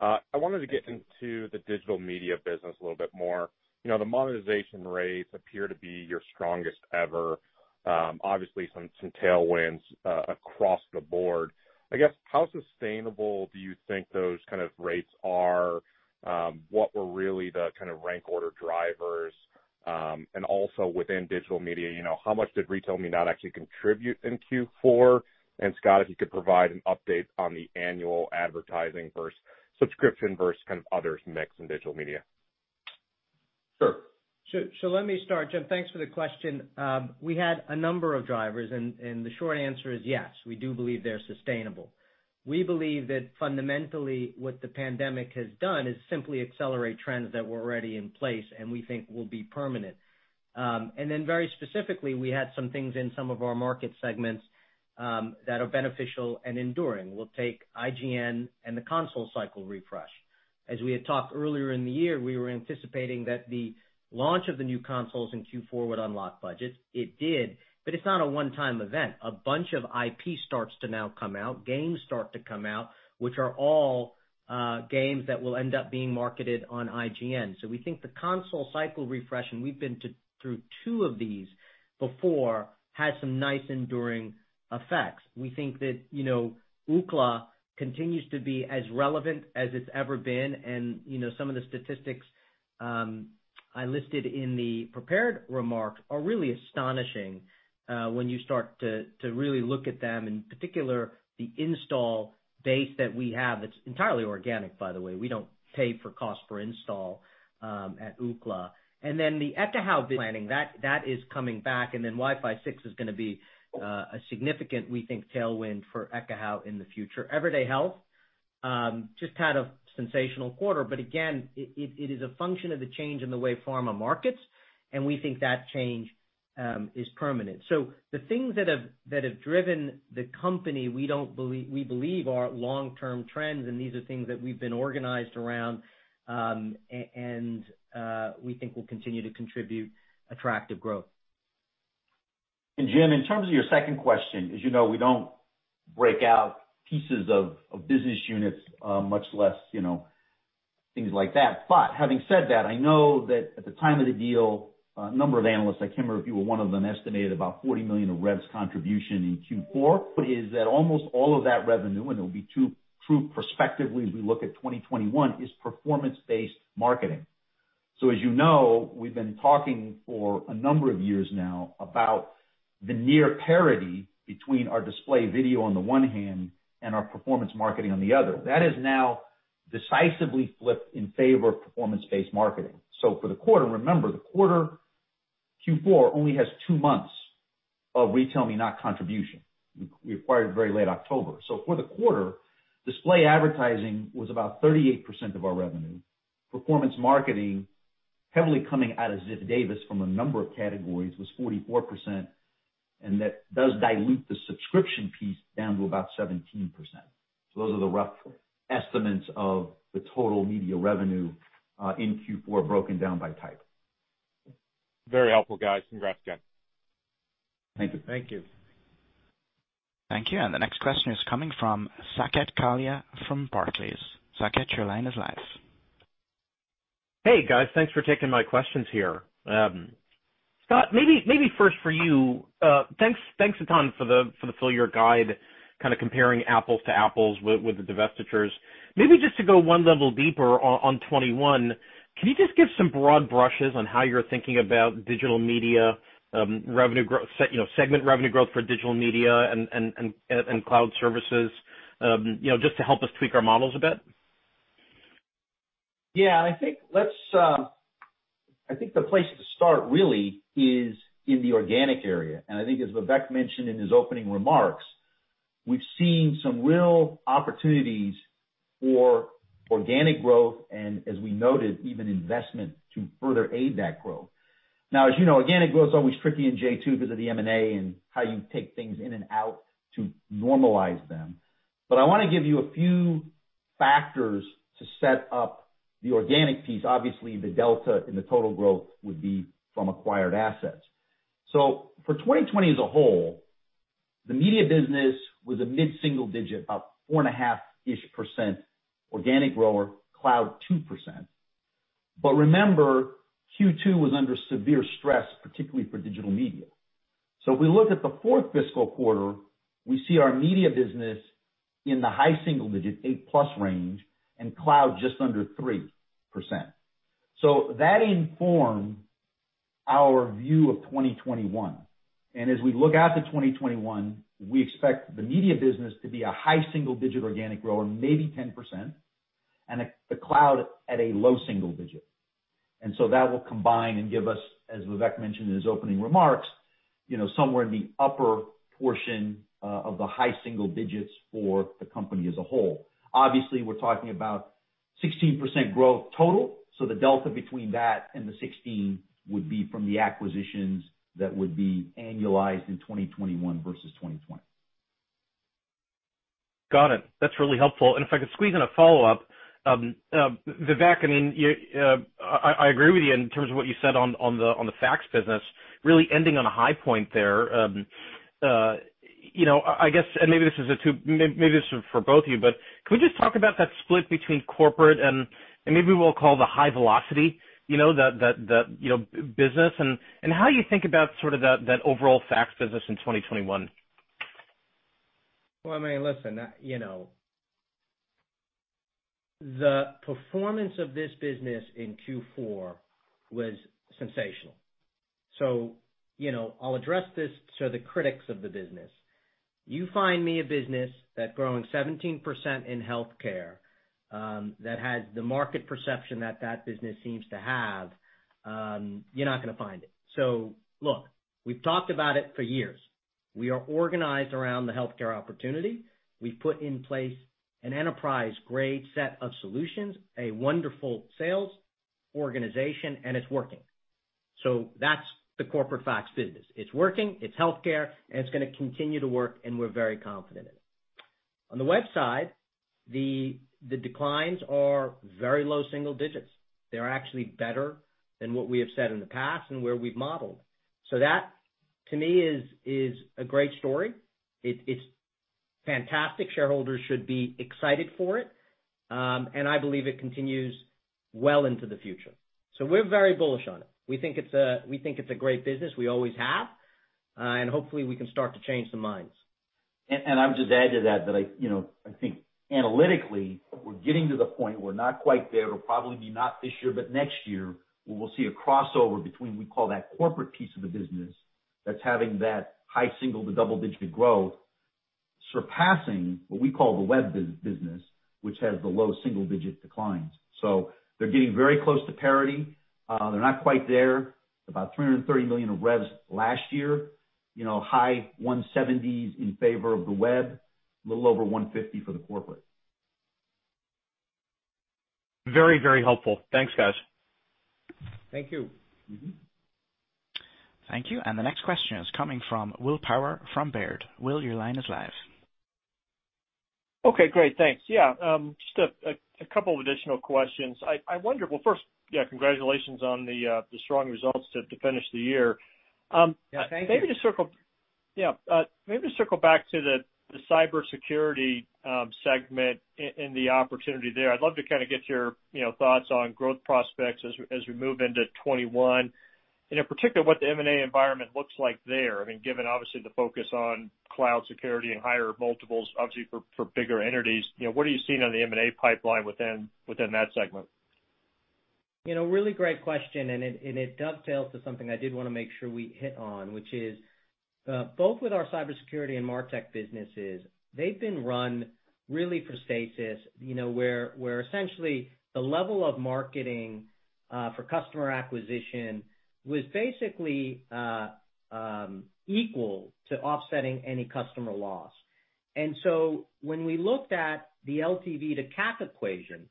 S7: I wanted to get into the digital media business a little bit more. The monetization rates appear to be your strongest ever. Obviously some tailwinds across the board. I guess, how sustainable do you think those kind of rates are? What were really the kind of rank order drivers? Also within digital media, you know, how much did RetailMeNot actually contribute in Q4? Scott, if you could provide an update on the annual advertising versus subscription versus kind of others mix in digital media.
S2: Sure.
S3: Let me start, James. Thanks for the question. We had a number of drivers and the short answer is yes, we do believe they're sustainable. We believe that fundamentally what the pandemic has done is simply accelerate trends that were already in place and we think will be permanent. Very specifically, we had some things in some of our market segments that are beneficial and enduring. We'll take IGN and the console cycle refresh. As we had talked earlier in the year, we were anticipating that the launch of the new consoles in Q4 would unlock budgets. It did, but it's not a one-time event. A bunch of IP starts to now come out, games start to come out, which are all games that will end up being marketed on IGN. We think the console cycle refresh, and we've been through two of these before, had some nice enduring effects. We think that, you know, Ookla continues to be as relevant as it's ever been, and some of the statistics I listed in the prepared remarks are really astonishing when you start to really look at them, in particular, the install base that we have, that's entirely organic, by the way. We don't pay for cost per install at Ookla. The Ekahau planning, that is coming back, and then Wi-Fi 6 is going to be a significant, we think, tailwind for Ekahau in the future. Everyday Health just had a sensational quarter, but again, it is a function of the change in the way pharma markets, and we think that change is permanent. The things that have driven the company we believe are long-term trends. These are things that we've been organized around and we think will continue to contribute attractive growth.
S2: Jim, in terms of your second question, as you know, we don't break out pieces of business units, much less things like that. Having said that, I know that at the time of the deal, a number of analysts, I can't remember if you were one of them, estimated about $40 million of revs contribution in Q4. Is that almost all of that revenue, and it will be true prospectively as we look at 2021, is performance-based marketing. As you know, we've been talking for a number of years now about the near parity between our display video on the one hand and our performance marketing on the other. That has now decisively flipped in favor of performance-based marketing. For the quarter, remember, the quarter Q4 only has two months of RetailMeNot contribution. We acquired it very late October. For the quarter, display advertising was about 38% of our revenue. Performance marketing, heavily coming out of Ziff Davis from a number of categories, was 44%, and that does dilute the subscription piece down to about 17%. Those are the rough estimates of the total media revenue in Q4 broken down by type.
S7: Very helpful, guys. Congrats again.
S2: Thank you.
S3: Thank you.
S1: Thank you. The next question is coming from Saket Kalia from Barclays. Saket, your line is live.
S8: Hey, guys. Thanks for taking my questions here. Scott, maybe first for you. Thanks a ton for the full year guide, kind of comparing apples to apples with the divestitures. Maybe just to go one level deeper on 2021, can you just give some broad brushes on how you're thinking about Digital Media revenue growth -- segment revenue growth for Digital Media and Cloud Services? Just to help us tweak our models a bit.
S2: Yeah. I think the place to start really is in the organic area. I think as Vivek mentioned in his opening remarks, we've seen some real opportunities for organic growth and as we noted, even investment to further aid that growth. Now, as you know, again, it grows always tricky in J2 Global because of the M&A and how you take things in and out to normalize them, but I want to give you a few factors to set up the organic piece. Obviously, the delta in the total growth would be from acquired assets. For 2020 as a whole, the media business was a mid-single digit, about 4.5%-ish organic grower, cloud 2%. Remember, Q2 was under severe stress, particularly for digital media. If we look at the fourth fiscal quarter, we see our media business in the high single digit, eight-plus range, and cloud just under 3%. That informed our view of 2021. As we look out to 2021, we expect the media business to be a high single-digit organic grower, maybe 10%, and the cloud at a low single digit. That will combine and give us, as Vivek mentioned in his opening remarks, somewhere in the upper portion of the high single digits for the company as a whole. Obviously, we're talking about 16% growth total. The delta between that and the 16% would be from the acquisitions that would be annualized in 2021 versus 2020.
S8: Got it. That's really helpful. If I could squeeze in a follow-up. Vivek, I agree with you in terms of what you said on the fax business, really ending on a high point there. Maybe this is for both of you, but could we just talk about that split between corporate and maybe we'll call the high velocity business, and how you think about sort of that overall fax business in 2021?
S3: Listen. The performance of this business in Q4 was sensational. I'll address this to the critics of the business. You find me a business that's growing 17% in healthcare, that has the market perception that that business seems to have, you're not going to find it. Look, we've talked about it for years. We are organized around the healthcare opportunity. We've put in place an enterprise-grade set of solutions, a wonderful sales organization, and it's working. That's the corporate fax business. It's working, it's healthcare, and it's going to continue to work, and we're very confident in it. On the web side, the declines are very low single digits. They're actually better than what we have said in the past and where we've modeled. That to me is a great story. It's fantastic. Shareholders should be excited for it. I believe it continues well into the future. We're very bullish on it. We think it's a great business. We always have. Hopefully we can start to change some minds.
S2: I would just add to that I think analytically, we're getting to the point, we're not quite there. It'll probably be not this year, but next year, where we'll see a crossover between, we call that corporate piece of the business that's having that high single- to double-digit growth, surpassing what we call the web business, which has the low single-digit declines. They're getting very close to parity. They're not quite there. About $330 million of revs last year, high $170s in favor of the web, a little over $150 for the corporate.
S8: Very helpful. Thanks, guys.
S3: Thank you.
S1: Thank you. The next question is coming from William Power from Baird. Will, your line is live.
S9: Okay, great. Thanks. Yeah. Just a couple of additional questions. Well, first, yeah, congratulations on the strong results to finish the year.
S3: Yeah, thank you.
S9: Maybe to circle back to the cybersecurity segment and the opportunity there. I'd love to kind of get your thoughts on growth prospects as we move into 2021, and in particular, what the M&A environment looks like there. Given obviously the focus on cloud security and higher multiples, obviously for bigger entities. What are you seeing on the M&A pipeline within that segment?
S3: Really great question. It dovetails to something I did want to make sure we hit on, which is both with our cybersecurity and MarTech businesses, they've been run really for stasis, where essentially the level of marketing for customer acquisition was basically equal to offsetting any customer loss. When we looked at the LTV to CAC equation,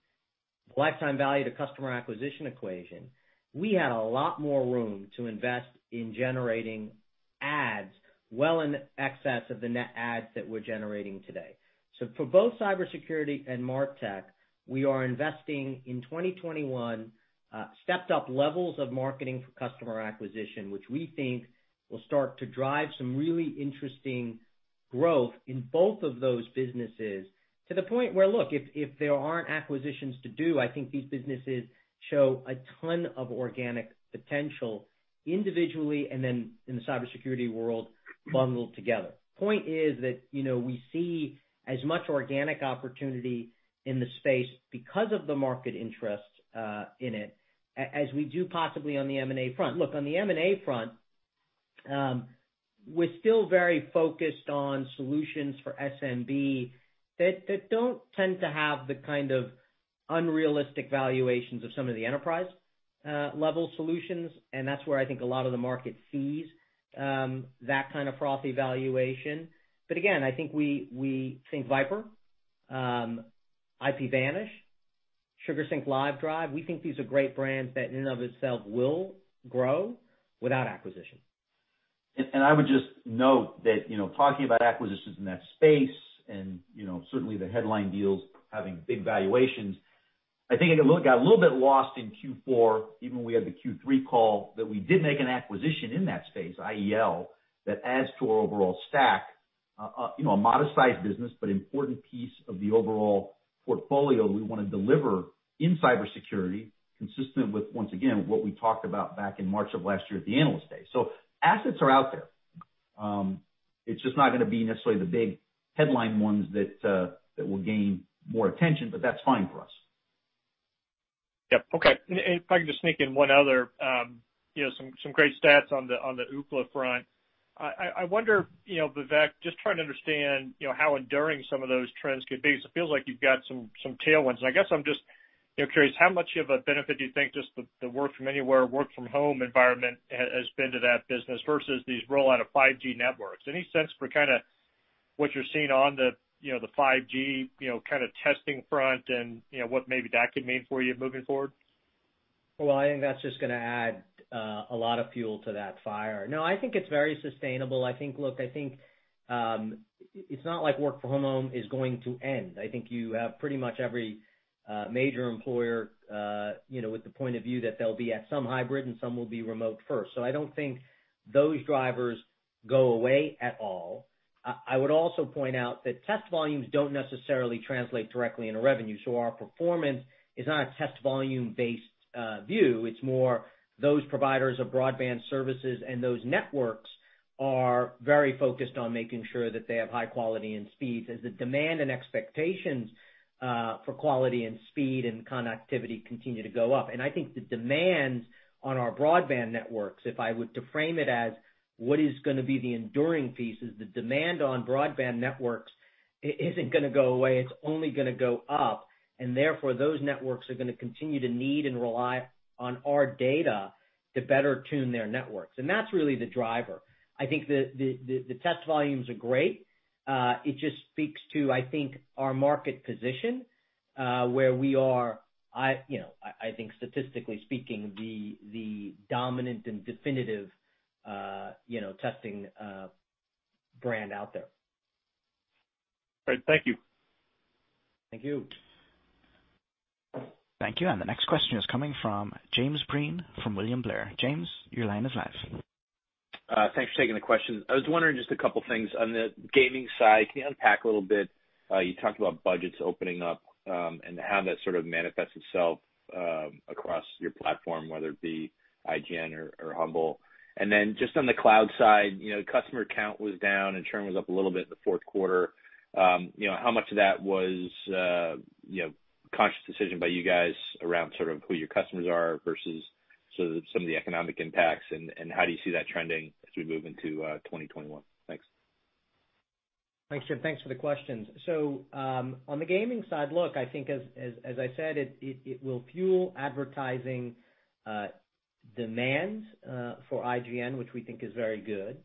S3: the lifetime value to customer acquisition equation, we had a lot more room to invest in generating adds well in excess of the net adds that we're generating today. For both cybersecurity and MarTech, we are investing in 2021, stepped up levels of marketing for customer acquisition, which we think will start to drive some really interesting growth in both of those businesses to the point where, look, if there aren't acquisitions to do, I think these businesses show a ton of organic potential individually and then in the cybersecurity world, bundled together. Point is that we see as much organic opportunity in the space because of the market interest in it as we do possibly on the M&A front. Look, on the M&A front, we're still very focused on solutions for SMB that don't tend to have the kind of unrealistic valuations of some of the enterprise-level solutions, and that's where I think a lot of the market sees that kind of frothy valuation. Again, I think VIPRE, IPVanish, SugarSync, Livedrive, we think these are great brands that in and of itself will grow without acquisition.
S2: I would just note that talking about acquisitions in that space and certainly the headline deals having big valuations, I think it got a little bit lost in Q4, even when we had the Q3 call that we did make an acquisition in that space, IEL, that adds to our overall stack. A modest-sized business, but important piece of the overall portfolio we want to deliver in cybersecurity, consistent with, once again, what we talked about back in March of last year at the Analyst Day. Assets are out there. It's just not going to be necessarily the big headline ones that will gain more attention, but that's fine for us.
S9: Yep. Okay. If I can just sneak in one other. Some great stats on the Ookla front. I wonder, Vivek, just trying to understand how enduring some of those trends could be. It feels like you've got some tailwinds. I guess I'm just curious, how much of a benefit do you think just the work from anywhere, work from home environment has been to that business versus these rollout of 5G networks? Any sense for kind of what you're seeing on the 5G testing front and what maybe that could mean for you moving forward?
S3: Well, I think that's just going to add a lot of fuel to that fire. I think it's very sustainable. Look, I think it's not like work from home is going to end. I think you have pretty much every major employer with the point of view that they'll be at some hybrid and some will be remote first. I don't think those drivers go away at all. I would also point out that test volumes don't necessarily translate directly into revenue. Our performance is not a test volume-based view. It's more those providers of broadband services and those networks are very focused on making sure that they have high quality and speeds as the demand and expectations for quality and speed and connectivity continue to go up. I think the demands on our broadband networks, if I were to frame it as what is going to be the enduring piece, is the demand on broadband networks isn't going to go away, it's only going to go up, and therefore, those networks are going to continue to need and rely on our data to better tune their networks. That's really the driver. I think the test volumes are great. It just speaks to, I think, our market position, where we are, I think statistically speaking, the dominant and definitive testing brand out there.
S9: Great. Thank you.
S3: Thank you.
S1: Thank you. The next question is coming from James Breen from William Blair. James, your line is live.
S10: Thanks for taking the question. I was wondering just a couple things. On the gaming side, can you unpack a little bit? You talked about budgets opening up, and how that sort of manifests itself across your platform, whether it be IGN or Humble. Then, just on the cloud side, customer count was down and churn was up a little bit in the fourth quarter. How much of that was a conscious decision by you guys around sort of who your customers are versus some of the economic impacts, and how do you see that trending as we move into 2021? Thanks.
S3: Thanks, Jim. Thanks for the questions. On the gaming side, look, I think as I said, it will fuel advertising demands for IGN, which we think is very good.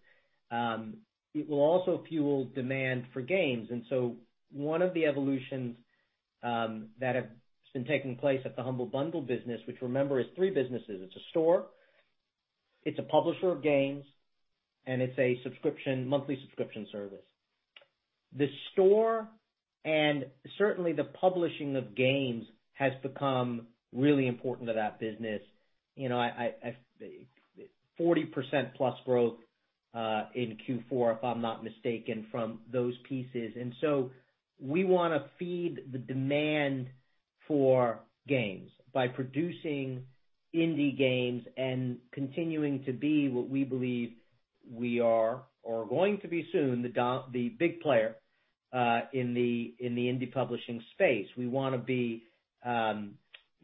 S3: It will also fuel demand for games. One of the evolutions that have been taking place at the Humble Bundle business, which remember, is three businesses. It's a store, it's a publisher of games, and it's a monthly subscription service. The store, and certainly the publishing of games has become really important to that business. You know, 40%-plus growth in Q4, if I'm not mistaken, from those pieces. We want to feed the demand for games by producing indie games and continuing to be what we believe we are or going to be soon, the big player in the indie publishing space. We want to be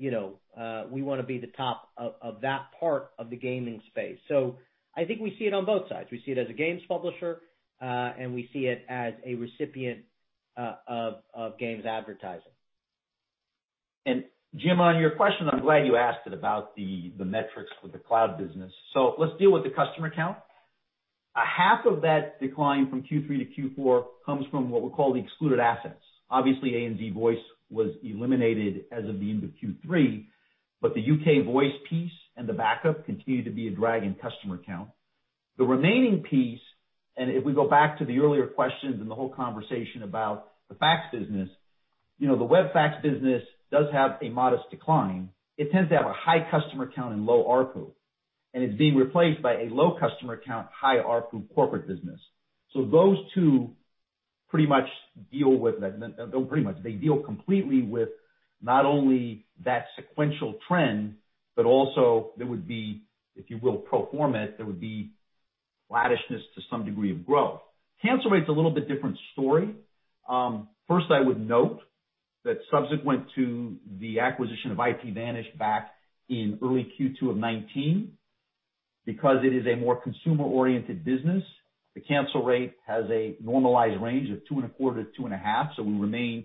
S3: the top of that part of the gaming space. I think we see it on both sides. We see it as a games publisher, and we see it as a recipient of games advertising.
S2: Jim, on your question, I'm glad you asked it about the metrics for the cloud business. Let's deal with the customer count. Half of that decline from Q3 to Q4 comes from what we call the excluded assets. Obviously, ANZ voice was eliminated as of the end of Q3, but the UK voice piece and the backup continue to be a drag in customer count. The remaining piece, and if we go back to the earlier questions and the whole conversation about the fax business, you know, the web fax business does have a modest decline. It tends to have a high customer count and low ARPU, and it's being replaced by a low customer count, high ARPU corporate business. Those two pretty much, they deal completely with not only that sequential trend, but also there would be, if you will, pro forma it, there would be flattishness to some degree of growth. Cancel rate's a little bit different story. First, I would note that subsequent to the acquisition of IPVanish back in early Q2 of 2019, because it is a more consumer-oriented business, the cancel rate has a normalized range of 2.25-2.5. We remain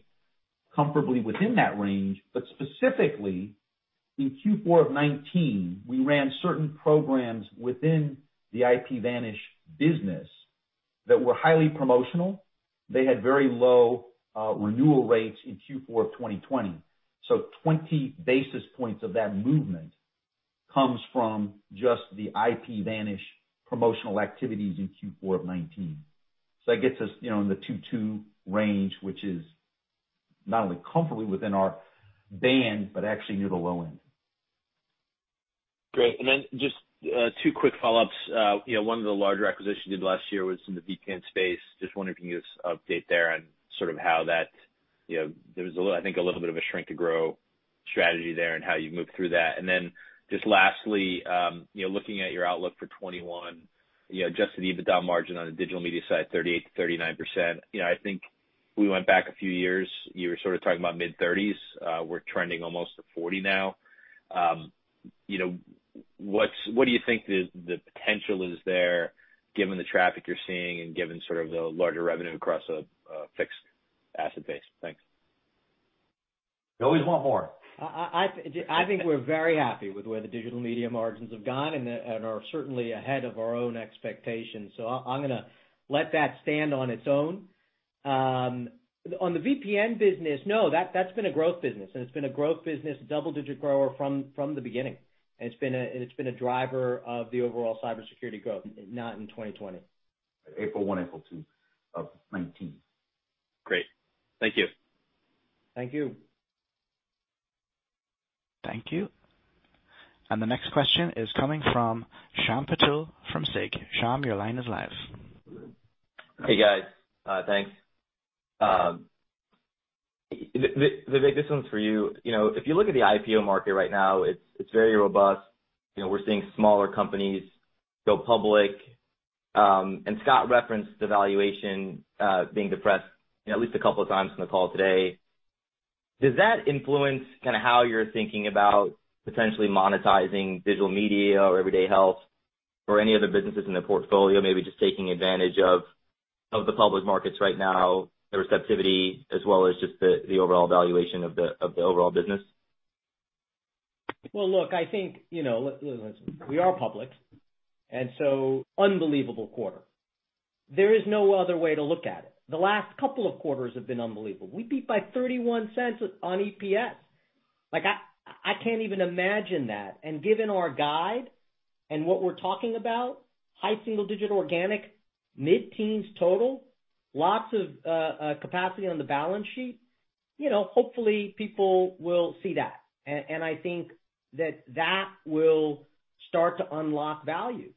S2: comfortably within that range. Specifically, in Q4 of 2019, we ran certain programs within the IPVanish business that were highly promotional. They had very low renewal rates in Q4 of 2020. Twenty basis points of that movement comes from just the IPVanish promotional activities in Q4 of 2019. That gets us in the 2.2 range, which is not only comfortably within our band, but actually near the low end.
S10: Great. Just two quick follow-ups. One of the larger acquisitions you did last year was in the VPN space. Just wondering if you can give us an update there on sort of how that. There was I think a little bit of a shrink to grow strategy there and how you move through that. Just lastly, looking at your outlook for 2021, Adjusted EBITDA margin on the digital media side, 38%-39%. I think we went back a few years, you were sort of talking about mid-30s. We're trending almost to 40 now. What do you think the potential is there given the traffic you're seeing and given sort of the larger revenue across a fixed asset base? Thanks.
S2: You always want more.
S3: I think we're very happy with where the digital media margins have gone and are certainly ahead of our own expectations. I'm going to let that stand on its own. On the VPN business, no, that's been a growth business, double-digit grower from the beginning. It's been a driver of the overall cybersecurity growth, not in 2020.
S2: April one, April two of 2019.
S10: Great. Thank you.
S3: Thank you.
S1: Thank you. The next question is coming from Shyam Patil from Susquehanna. Shyam, your line is live.
S11: Hey, guys. Thanks. Vivek, this one's for you. If you look at the IPO market right now, it's very robust. We're seeing smaller companies go public. Scott referenced the valuation being depressed at least a couple of times on the call today. Does that influence kind of how you're thinking about potentially monetizing digital media or Everyday Health or any other businesses in the portfolio, maybe just taking advantage of the public markets right now, the receptivity as well as just the overall valuation of the overall business?
S3: Well, look, I think, we are public, and so unbelievable quarter. There is no other way to look at it. The last couple of quarters have been unbelievable. We beat by $0.31 on EPS. I can't even imagine that. Given our guide and what we're talking about, high single-digit organic, mid-teens total, lots of capacity on the balance sheet. Hopefully, people will see that. I think that that will start to unlock value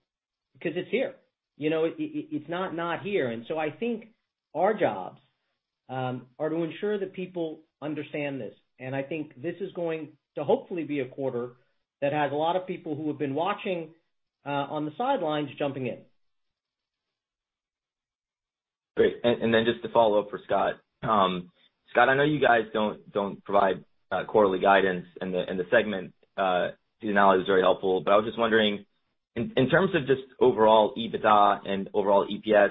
S3: because it's here. It's not not here. I think our jobs are to ensure that people understand this. I think this is going to hopefully be a quarter that has a lot of people who have been watching on the sidelines jumping in.
S11: Great. Just to follow up for Scott. Scott, I know you guys don't provide quarterly guidance in the segment. Seasonality is very helpful. I was just wondering, in terms of just overall EBITDA and overall EPS,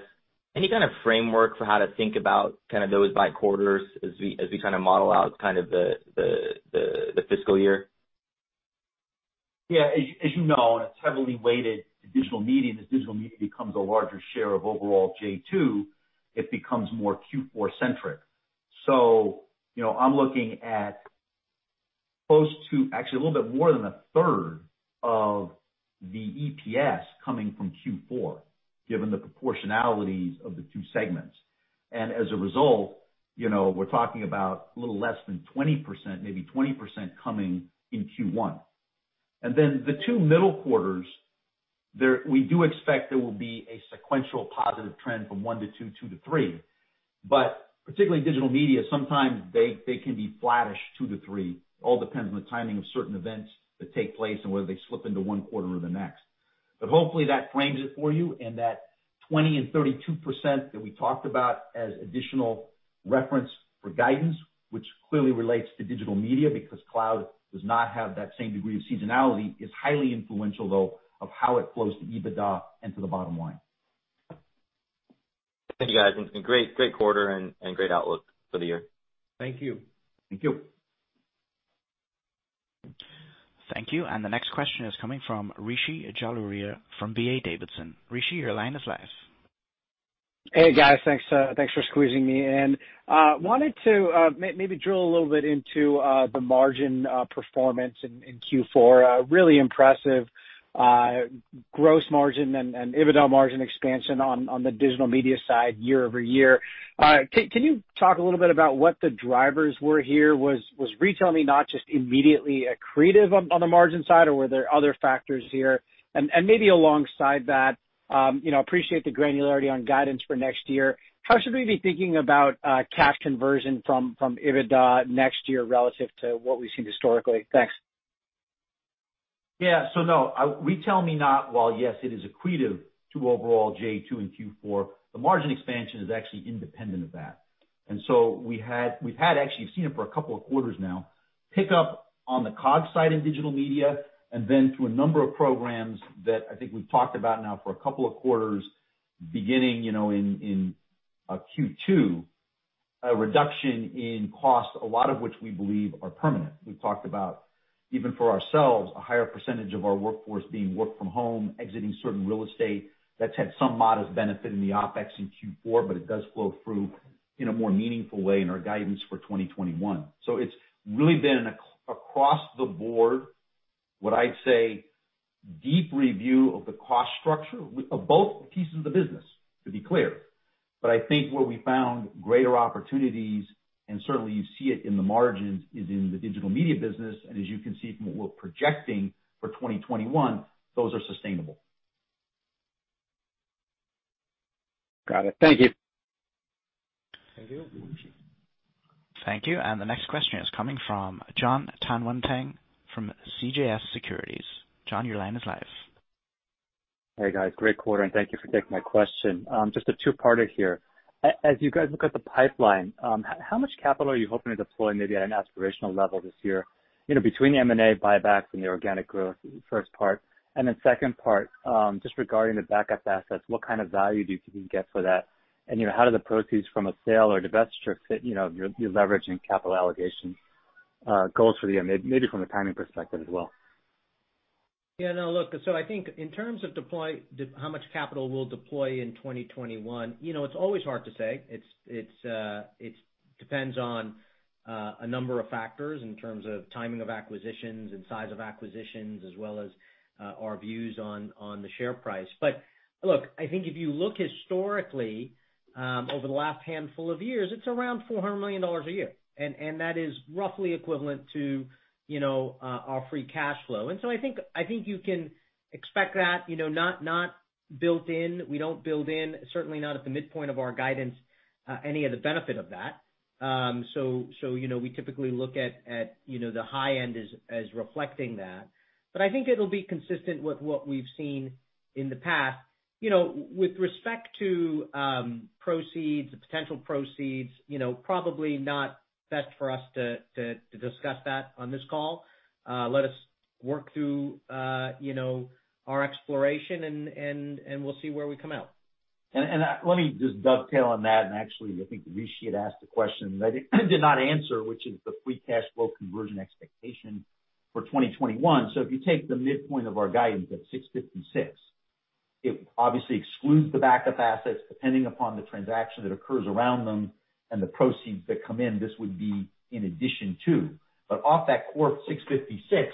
S11: any kind of framework for how to think about kind of those by quarters as we kind of model out kind of the fiscal year?
S2: Yeah. As you know, it's heavily weighted to digital media, as digital media becomes a larger share of overall J2, it becomes more Q4 centric. I'm looking at close to, actually a little bit more than a third of the EPS coming from Q4, given the proportionalities of the two segments. As a result, we're talking about a little less than 20%, maybe 20% coming in Q1. Then, the two middle quarters, we do expect there will be a sequential positive trend from one to two to three, but particularly digital media, sometimes they can be flattish, two to three. It all depends on the timing of certain events that take place and whether they slip into one quarter or the next. Hopefully that frames it for you and that 20% and 32% that we talked about as additional reference for guidance, which clearly relates to digital media because cloud does not have that same degree of seasonality, is highly influential, though, of how it flows to EBITDA and to the bottom line.
S11: Thank you, guys, and great quarter and great outlook for the year.
S3: Thank you.
S2: Thank you.
S1: Thank you. The next question is coming from Rishi Jaluria from D.A. Davidson. Rishi, your line is live.
S12: Hey, guys. Thanks for squeezing me in. Wanted to maybe drill a little bit into the margin performance in Q4. A really impressive gross margin and EBITDA margin expansion on the digital media side year-over-year. Can you talk a little bit about what the drivers were here? Was RetailMeNot just immediately accretive on the margin side, or were there other factors here? Maybe alongside that, appreciate the granularity on guidance for next year. How should we be thinking about cash conversion from EBITDA next year relative to what we've seen historically? Thanks.
S2: Yeah. No, RetailMeNot, while yes, it is accretive to overall J2 Global in Q4, the margin expansion is actually independent of that. we've had actually, you've seen it for a couple of quarters now, pick up on the COGS side in digital media and then through a number of programs that I think we've talked about now for a couple of quarters, beginning in Q2, a reduction in cost, a lot of which we believe are permanent. We've talked about, even for ourselves, a higher percentage of our workforce being work from home, exiting certain real estate that's had some modest benefit in the OpEx in Q4, but it does flow through in a more meaningful way in our guidance for 2021. it's really been an across the board, what I'd say deep review of the cost structure of both pieces of the business, to be clear.
S12: I think where we found greater opportunities, and certainly you see it in the margins, is in the digital media business. As you can see from what we're projecting for 2021, those are sustainable. Got it. Thank you.
S3: Thank you.
S1: Thank you. The next question is coming from Jon Tanwanteng from CJS Securities. Jon, your line is live.
S13: Hey, guys. Great quarter, and thank you for taking my question. Just a two-parter here. As you guys look at the pipeline, how much capital are you hoping to deploy, maybe at an aspirational level this year, between the M&A buybacks and the organic growth? First part and then second part, just regarding the backup assets, what kind of value do you think you can get for that? how do the proceeds from a sale or divestiture fit your leverage and capital allocation goals for the year? Maybe from a timing perspective as well.
S3: Yeah, no, look, I think in terms of how much capital we'll deploy in 2021, you know, it's always hard to say. It depends on a number of factors in terms of timing of acquisitions and size of acquisitions, as well as our views on the share price, but look, I think if you look historically over the last handful of years, it's around $400 million a year. That is roughly equivalent to, you know, our free cash flow. I think you can expect that. Not built in. We don't build in, certainly not at the midpoint of our guidance, any of the benefit of that. We typically look at the high end as reflecting that. I think it'll be consistent with what we've seen in the past. With respect to potential proceeds, you know, probably not best for us to discuss that on this call. Let us work through, you know, our exploration, and we'll see where we come out.
S2: Let me just dovetail on that, and actually, I think Rishi had asked a question that I did not answer, which is the free cash flow conversion expectation for 2021. If you take the midpoint of our guidance at 656, it obviously excludes the backup assets, depending upon the transaction that occurs around them and the proceeds that come in. This would be in addition to. Off that core 656,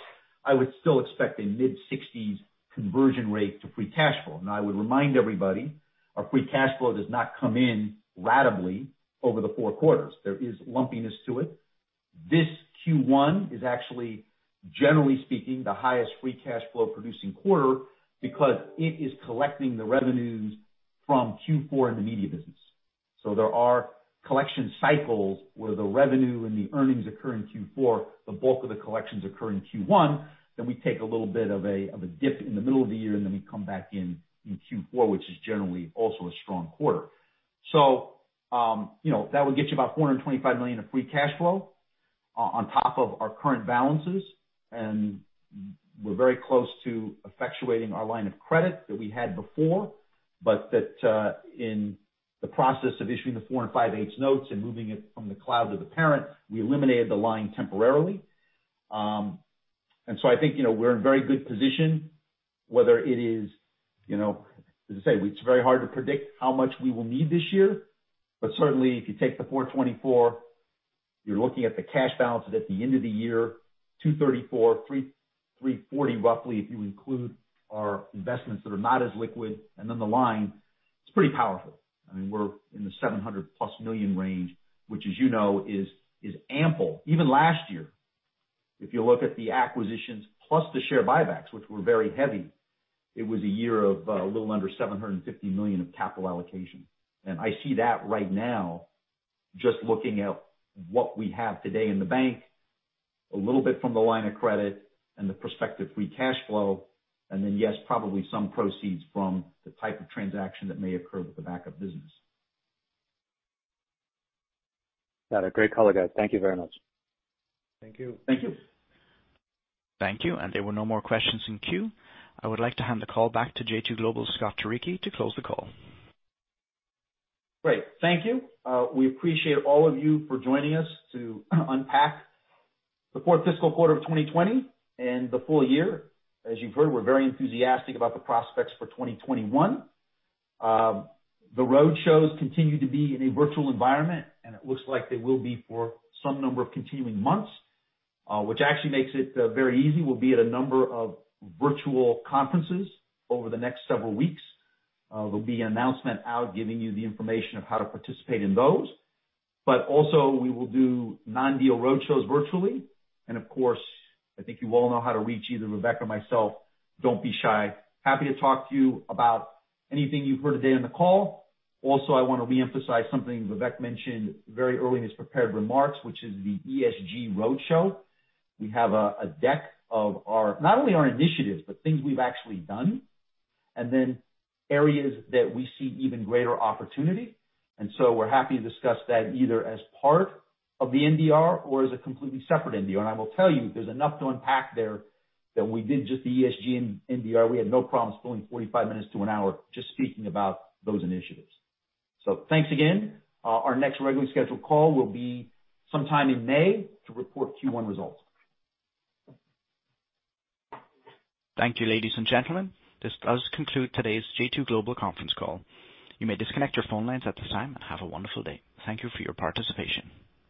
S2: I would still expect a mid-60s conversion rate to free cash flow. Now, I would remind everybody, our free cash flow does not come in ratably over the four quarters. There is lumpiness to it. This Q1 is actually, generally speaking, the highest free cash flow producing quarter because it is collecting the revenues from Q4 in the media business. There are collection cycles where the revenue and the earnings occur in Q4, the bulk of the collections occur in Q1, then we take a little bit of a dip in the middle of the year, and then we come back in in Q4, which is generally also a strong quarter. That would get you about $425 million of free cash flow on top of our current balances. We're very close to effectuating our line of credit that we had before, but that in the process of issuing the [4-5/8] notes and moving it from the cloud to the parent, we eliminated the line temporarily. I think we're in a very good position, whether it is, as I say, it's very hard to predict how much we will need this year. But certainly, if you take the 424, you're looking at the cash balances at the end of the year, 234, 340 roughly, if you include our investments that are not as liquid, and then the line, it's pretty powerful. I mean, we're in the $700-plus million range, which as you know is ample. Even last year, if you look at the acquisitions plus the share buybacks, which were very heavy, it was a year of a little under $750 million of capital allocation. I see that right now, just looking at what we have today in the bank, a little bit from the line of credit and the prospective free cash flow, and then yes, probably some proceeds from the type of transaction that may occur with the backup business.
S13: Got it. Great color, guys. Thank you very much.
S3: Thank you.
S2: Thank you.
S1: Thank you. There were no more questions in queue. I would like to hand the call back to J2 Global's Scott Turicchi to close the call.
S2: Great. Thank you. We appreciate all of you for joining us to unpack the fourth fiscal quarter of 2020 and the full year. As you've heard, we're very enthusiastic about the prospects for 2021. The road shows continue to be in a virtual environment, and it looks like they will be for some number of continuing months, which actually makes it very easy. We'll be at a number of virtual conferences over the next several weeks. There'll be an announcement out giving you the information of how to participate in those. Also, we will do non-deal road shows virtually. Of course, I think you all know how to reach either Vivek or myself. Don't be shy. Happy to talk to you about anything you've heard today on the call. Also, I want to reemphasize something Vivek mentioned very early in his prepared remarks, which is the ESG roadshow. We have a deck of not only our initiatives, but things we've actually done, and then areas that we see even greater opportunity. We're happy to discuss that either as part of the NDR or as a completely separate NDR. I will tell you, there's enough to unpack there that we did just the ESG NDR. We had no problem spending 45 minutes to an hour just speaking about those initiatives. Thanks again. Our next regularly scheduled call will be sometime in May to report Q1 results.
S1: Thank you, ladies and gentlemen. This does conclude today's J2 Global conference call. You may disconnect your phone lines at this time, and have a wonderful day. Thank you for your participation.